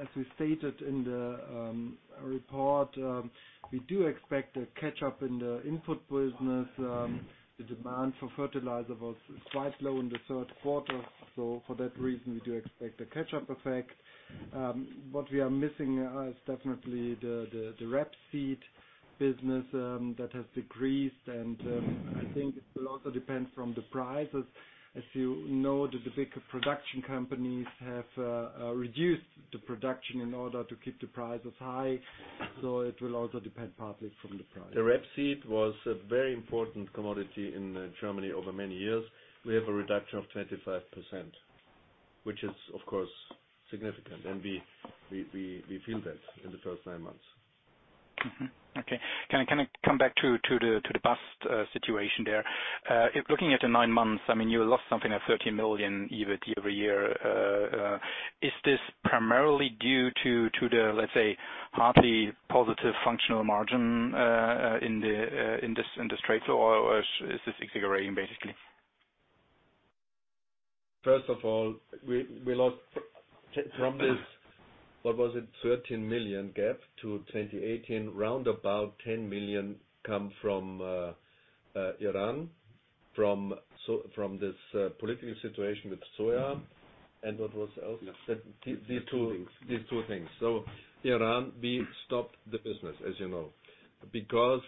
As we stated in the report, we do expect a catch-up in the input business. The demand for fertilizer was quite low in the third quarter. For that reason, we do expect a catch-up effect. What we are missing is definitely the rapeseed business, that has decreased, and I think it will also depend from the prices. As you know, the bigger production companies have reduced the production in order to keep the prices high. It will also depend partly from the price.
The rapeseed was a very important commodity in Germany over many years. We have a reduction of 25%, which is, of course, significant, and we feel that in the first nine months.
Okay. Can I come back to the BAST situation there? Looking at the nine months, you lost something like 13 million EBIT every year. Is this primarily due to the, let's say, partly positive functional margin in the trade flow, or is this integrating, basically?
First of all, we lost from this, what was it, 13 million gap to 2018, round about 10 million come from Iran, from this political situation with soya and what was else?
These two things.
Iran, we stopped the business, as you know, because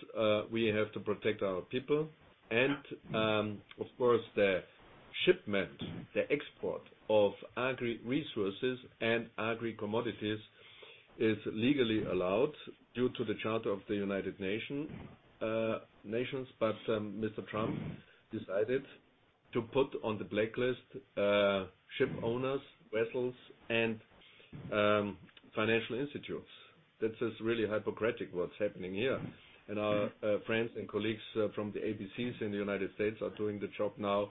we have to protect our people. Of course, the shipment, the export of agri resources and agri commodities is legally allowed due to the Charter of the United Nations, but Mr. Trump decided to put on the blacklist ship owners, vessels, and financial institutes. That is really hypocritic what's happening here. Our friends and colleagues from the ABCs in the United States are doing the job now,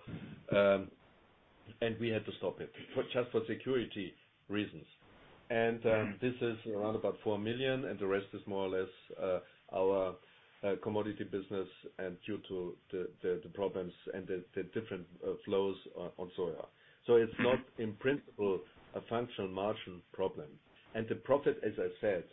and we had to stop it just for security reasons. This is around about 4 million, and the rest is more or less our commodity business and due to the problems and the different flows on soya. It's not in principle a functional margin problem. The profit, as I said,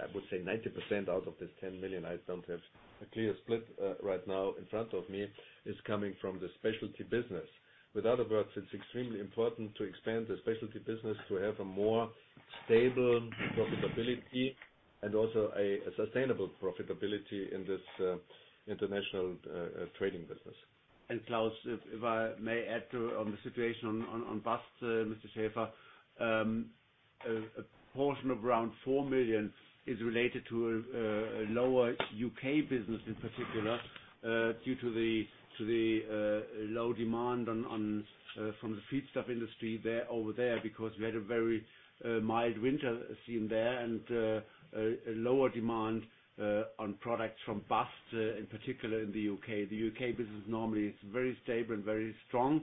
I would say 90% out of this 10 million, I don't have a clear split right now in front of me, is coming from the specialty business. With other words, it's extremely important to expand the specialty business to have a more stable profitability and also a sustainable profitability in this international trading business.
Klaus, if I may add to the situation on BAST, Mr. Schaefer, a portion of around 4 million is related to a lower U.K. business in particular, due to the low demand from the feedstock industry over there, because we had a very mild winter seen there and a lower demand on products from BAST, in particular in the U.K. The U.K. business normally is very stable and very strong,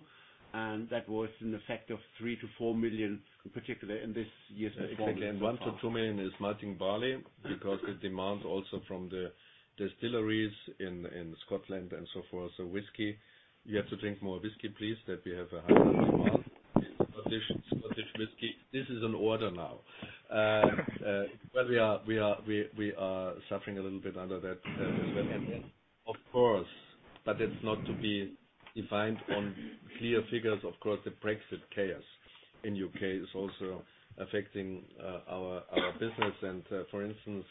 and that was an effect of 3 million-4 million in particular in this year's performance so far.
Exactly. 1 million-2 million is malting barley because the demand also from the distilleries in Scotland and so forth. Whiskey, you have to drink more whiskey, please, that we have a higher demand in Scottish whiskey. This is an order now. We are suffering a little bit under that as well. Of course, but it's not to be defined on clear figures. Of course, the Brexit chaos in U.K. is also affecting our business and, for instance,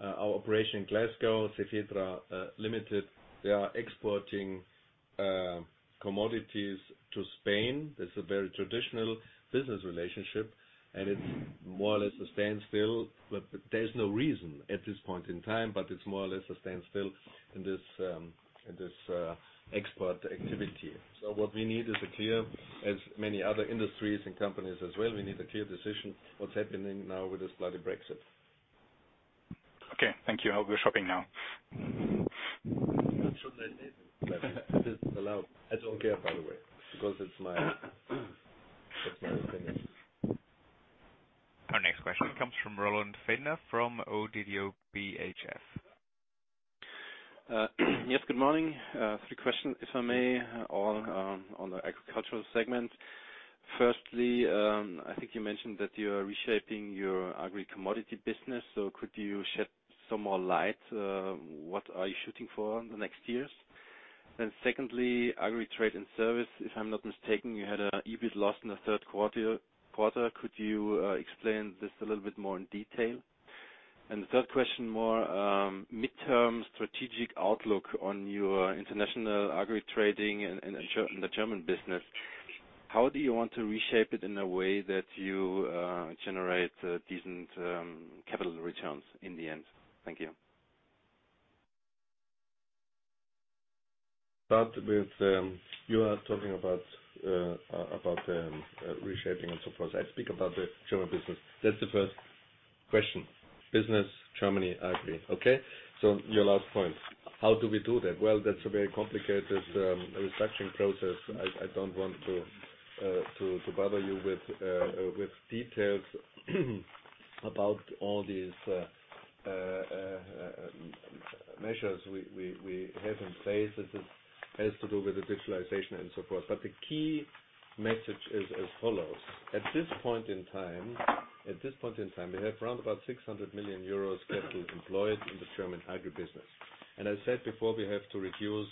our operation in Glasgow, Cefetra Limited, they are exporting commodities to Spain. That's a very traditional business relationship, and it's more or less a standstill. There's no reason at this point in time, but it's more or less a standstill in this export activity. As many other industries and companies as well, we need a clear decision what's happening now with this bloody Brexit.
Okay. Thank you. I'll go shopping now.
You are not sure they need it. This is allowed. I don't care, by the way, because it's my opinion.
Our next question comes from Roland Pfänder from ODDO BHF.
Yes, good morning. Three questions, if I may, all on the agricultural segment. Firstly, I think you mentioned that you are reshaping your agri commodity business. Could you shed some more light, what are you shooting for in the next years? Secondly, agri trade and service, if I'm not mistaken, you had an EBIT loss in the third quarter. Could you explain this a little bit more in detail? The third question, more midterm strategic outlook on your international agri trading and the German business. How do you want to reshape it in a way that you generate decent capital returns in the end? Thank you.
You are talking about the reshaping and so forth. I speak about the German business. That's the first question. Business Germany agri. Okay? Your last point, how do we do that? Well, that's a very complicated reduction process. I don't want to bother you with details about all these measures we have in place, as it has to do with the digitalization and so forth. The key message is as follows. At this point in time, we have around about 600 million euros capital employed in the German agri business. I said before, we have to reduce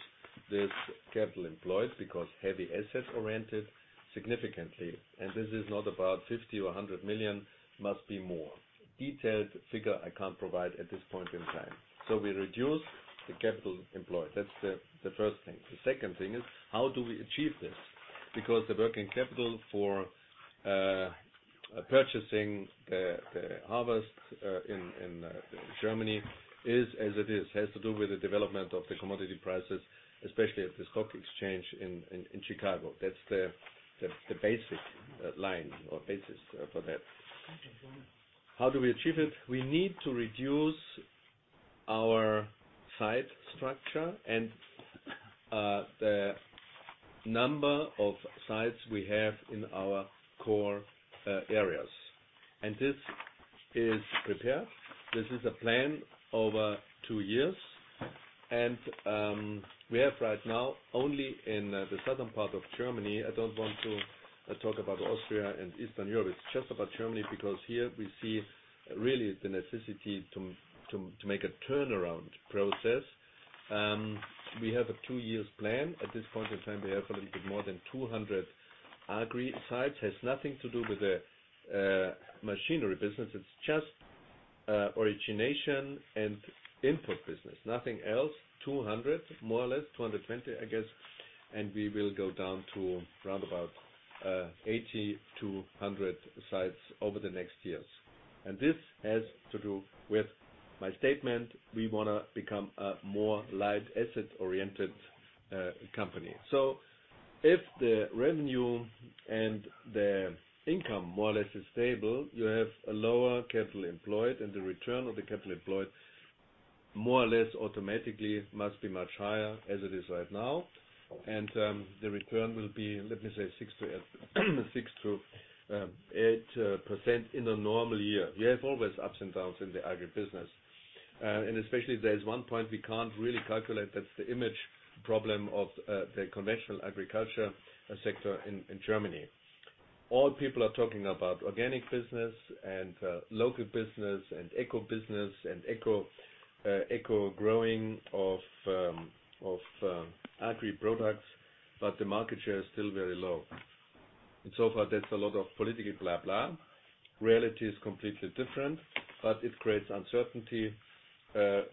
this capital employed, because heavy asset-oriented significantly. This is not about 50 million or 100 million, it must be more. Detailed figure I can't provide at this point in time. We reduce the capital employed. That's the first thing. The second thing is, how do we achieve this? Because the working capital for purchasing the harvest in Germany is as it is. It has to do with the development of the commodity prices, especially at the stock exchange in Chicago. That's the basic line or basis for that. How do we achieve it? We need to reduce our site structure and the number of sites we have in our core areas. This is prepared. This is a plan over two years. We have right now only in the southern part of Germany, I don't want to talk about Austria and Eastern Europe. It's just about Germany because here we see really the necessity to make a turnaround process. We have a two years plan. At this point in time, we have a little bit more than 200 agri sites. It has nothing to do with the machinery business. It's just origination and input business, nothing else. 200, more or less, 220, I guess. We will go down to around about 80-100 sites over the next years. This has to do with my statement, we want to become a more light asset-oriented company. If the revenue and the income more or less is stable, you have a lower capital employed and the return of the capital employed more or less automatically must be much higher as it is right now. The return will be, let me say, 6%-8% in a normal year. We have always ups and downs in the agri business. Especially there is one point we can't really calculate, that's the image problem of the conventional agriculture sector in Germany. All people are talking about organic business and local business and eco business and eco growing of agri products, but the market share is still very low. So far there's a lot of political blah blah. Reality is completely different, but it creates uncertainty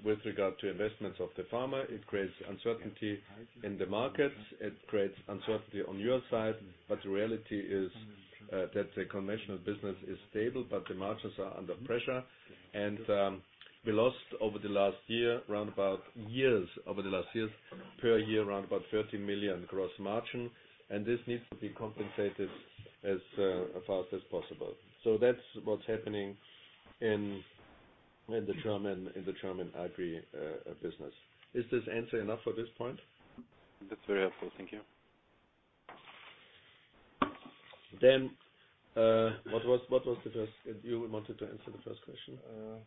with regard to investments of the farmer. It creates uncertainty in the markets. It creates uncertainty on your side. The reality is that the conventional business is stable, but the margins are under pressure. We lost over the last years, per year, around about 30 million gross margin. This needs to be compensated as fast as possible. That's what's happening in the German agri business. Is this answer enough for this point?
That's very helpful. Thank you.
What was the first? You wanted to answer the first question.
Well,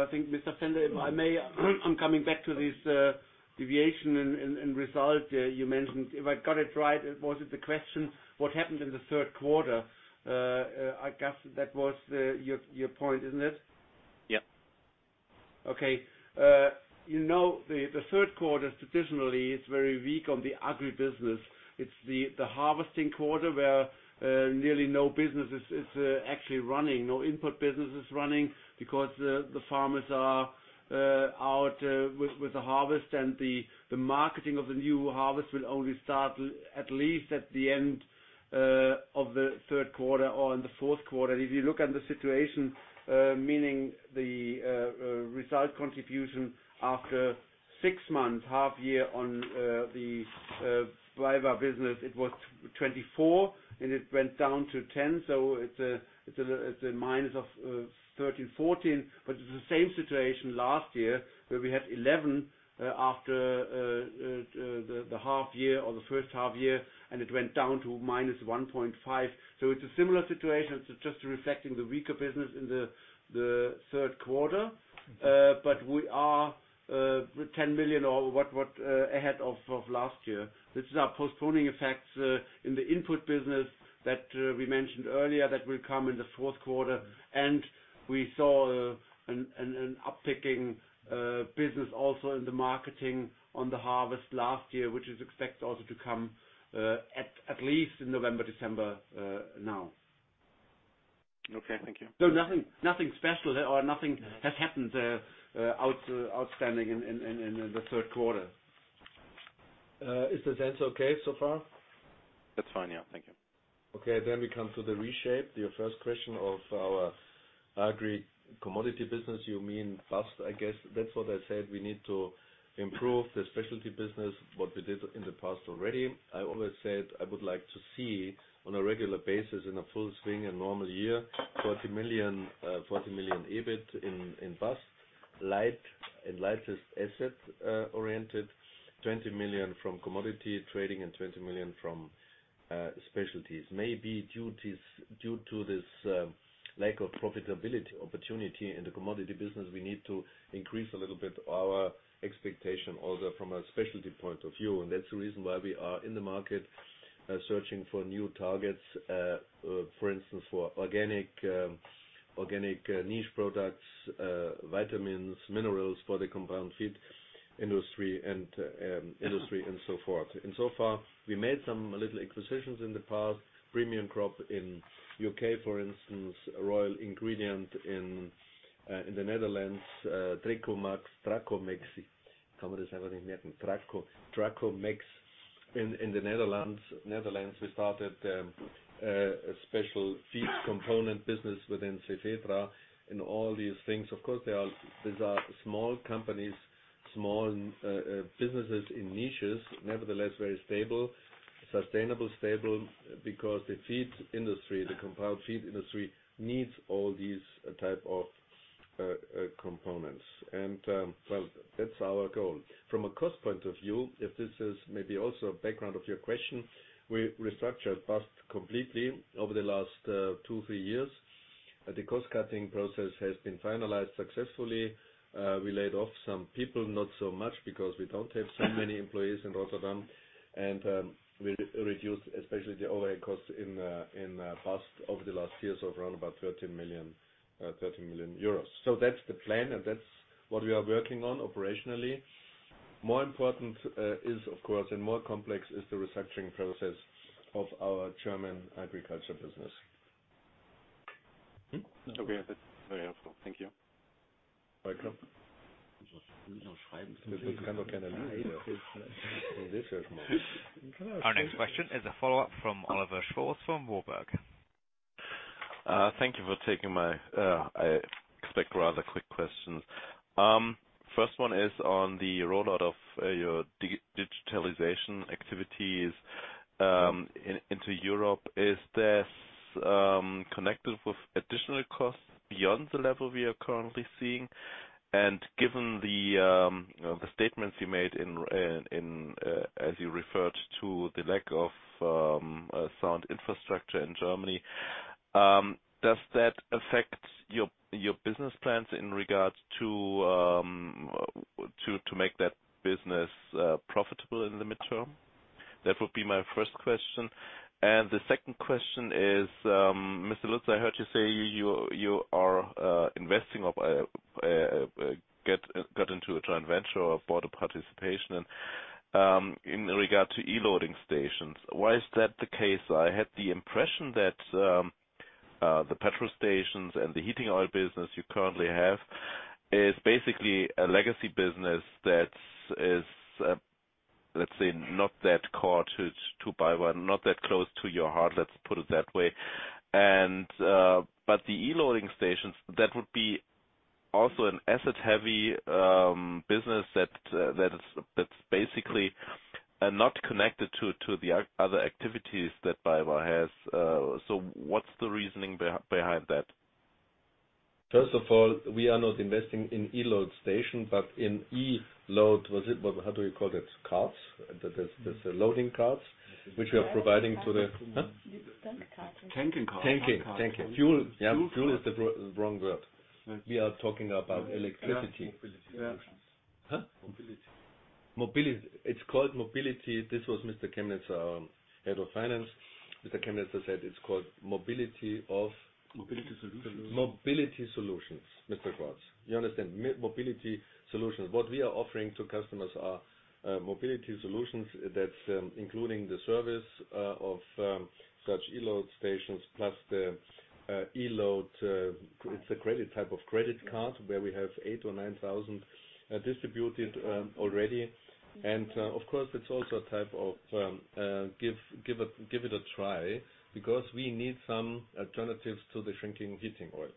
I think, Mr. Pfänder, if I may, I'm coming back to this deviation and result you mentioned. If I got it right, was it the question, what happened in the third quarter? I guess that was your point, isn't it?
Yep.
You know, the third quarter traditionally is very weak on the agri business. It's the harvesting quarter where nearly no business is actually running. No input business is running because the farmers are out with the harvest and the marketing of the new harvest will only start at least at the end of the third quarter or in the fourth quarter. If you look at the situation, meaning the result contribution after six months, half year on the BayWa business, it was 24 and it went down to 10. It's a minus of -13, -14. It's the same situation last year, where we had 11 after the half year or the first half year, and it went down to -1.5. It's a similar situation. It's just reflecting the weaker business in the third quarter. We are 10 million or what ahead of last year. This is our postponing effects in the input business that we mentioned earlier that will come in the fourth quarter. We saw an upticking business also in the marketing on the harvest last year, which is expected also to come at least in November, December now.
Okay. Thank you.
Nothing special or nothing has happened outstanding in the third quarter.
Is this answer okay so far?
That's fine, yeah. Thank you.
We come to the reshape. Your first question of our agri-commodity business, you mean BAST, I guess. That's what I said, we need to improve the specialty business, what we did in the past already. I always said I would like to see on a regular basis, in a full swing, a normal year, 40 million EBIT in BAST, light and lightest asset-oriented, 20 million from commodity trading and 20 million from specialties. Maybe due to this lack of profitability opportunity in the commodity business, we need to increase a little bit our expectation also from a specialty point of view. That's the reason why we are in the market searching for new targets, for instance, for organic niche products, vitamins, minerals for the compound feed industry, and so forth. So far, we made some little acquisitions in the past. Premium Crops in the U.K., for instance, Royal Ingredients in the Netherlands. Tracomex. How is everything named? Tracomex. In the Netherlands, we started a special feed component business within Cefetra and all these things. Of course, these are small companies, small businesses in niches. Very stable. Sustainable, stable, because the feed industry, the compound feed industry, needs all these type of components. Well, that's our goal. From a cost point of view, if this is maybe also background of your question, we restructured BAST completely over the last two, three years. The cost-cutting process has been finalized successfully. We laid off some people, not so much, because we don't have so many employees in Rotterdam. We reduced, especially the overhead cost in BAST over the last years of around about 13 million. That's the plan, and that's what we are working on operationally. More important is, of course, and more complex is the restructuring process of our German agriculture business.
Okay, that's very helpful. Thank you.
Welcome. We cannot kind of leave here. It is very small.
Our next question is a follow-up from Oliver Schwarz from Warburg.
Thank you for taking my, I expect, rather quick questions. First one is on the rollout of your digitalization activities into Europe. Is this connected with additional costs beyond the level we are currently seeing? Given the statements you made as you referred to the lack of sound infrastructure in Germany, does that affect your business plans in regards to make that business profitable in the midterm? That would be my first question. The second question is, Mr. Lutz, I heard you say you are investing or got into a joint venture or bought a participation in regard to e-charging stations. Why is that the case? I had the impression that the petrol stations and the heating oil business you currently have is basically a legacy business that is, let's say, not that core to BayWa, not that close to your heart, let's put it that way. The e-charging stations, that would be also an asset-heavy business that's basically not connected to the other activities that BayWa has. What's the reasoning behind that?
We are not investing in e-charging station, but in e-load cards. There's a loading cards which we are providing to the Huh?
Tanking cards.
Tanking. Fuel is the wrong word. We are talking about electricity. Huh? It's called mobility. This was Mr. Kemneter, our head of finance. Mr. Kemneter said it's called mobility. Mobility solutions, Mr. Schwarz. You understand? Mobility solutions. What we are offering to customers are mobility solutions that's including the service of such e-charging stations, plus the e-charging, it's a type of credit card where we have 8,000 or 9,000 distributed already. Of course, it's also a type of give it a try, because we need some alternatives to the shrinking heating oil.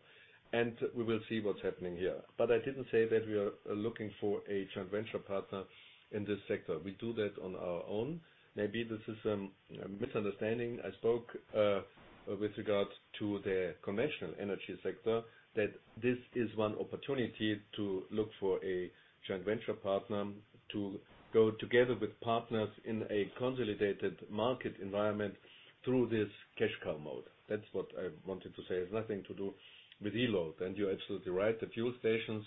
We will see what's happening here. I didn't say that we are looking for a joint venture partner in this sector. We do that on our own. Maybe this is a misunderstanding. I spoke with regard to the conventional energy sector, that this is one opportunity to look for a joint venture partner to go together with partners in a consolidated market environment through this cash cow mode. That's what I wanted to say. It's nothing to do with e-charging. You're absolutely right, the fuel stations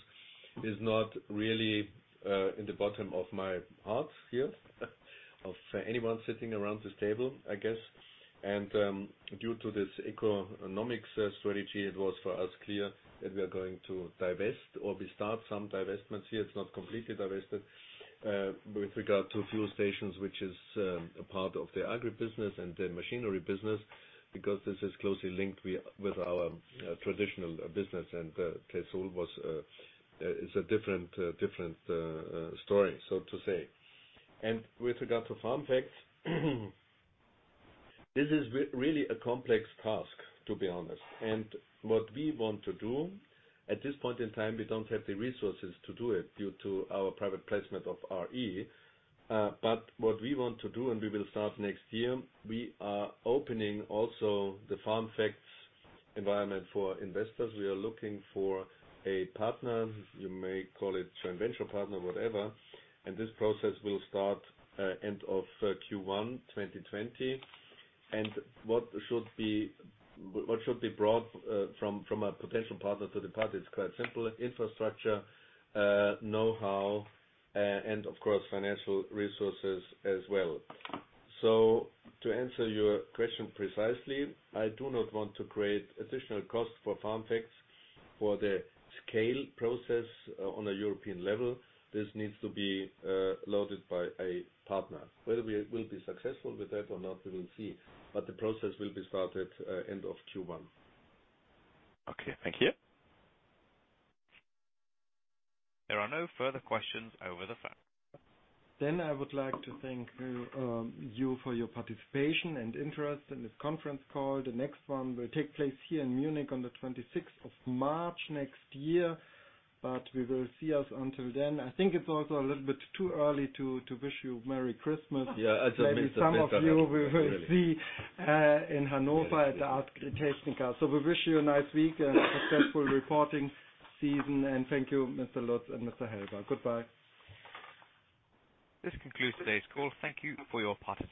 is not really in the bottom of my heart here, of anyone sitting around this table, I guess. Due to this ECOnomics strategy, it was for us clear that we are going to divest or we start some divestments here. It's not completely divested with regard to fuel stations, which is a part of the agri business and the machinery business, because this is closely linked with our traditional business. Tassilo is a different story, so to say. With regard to FarmFacts, this is really a complex task, to be honest. What we want to do, at this point in time, we don't have the resources to do it due to our private placement of r.e. What we want to do, and we will start next year, we are opening also the FarmFacts environment for investors. We are looking for a partner. You may call it joint venture partner, whatever, and this process will start end of Q1 2020. What should be brought from a potential partner to the party, it's quite simple. Infrastructure, know-how, and of course, financial resources as well. To answer your question precisely, I do not want to create additional costs for FarmFacts for the scale process on a European level. This needs to be loaded by a partner. Whether we will be successful with that or not, we will see, but the process will be started end of Q1.
Okay. Thank you.
There are no further questions over the phone.
I would like to thank you for your participation and interest in this conference call. The next one will take place here in Munich on the 26th of March next year. We will see us until then. I think it's also a little bit too early to wish you Merry Christmas.
Yeah. Maybe some of you we will see in Hanover at the AGRITECHNICA. We wish you a nice week and a successful reporting season. Thank you, Mr. Lutz and Mr. Helber. Goodbye.
This concludes today's call. Thank you for your participation.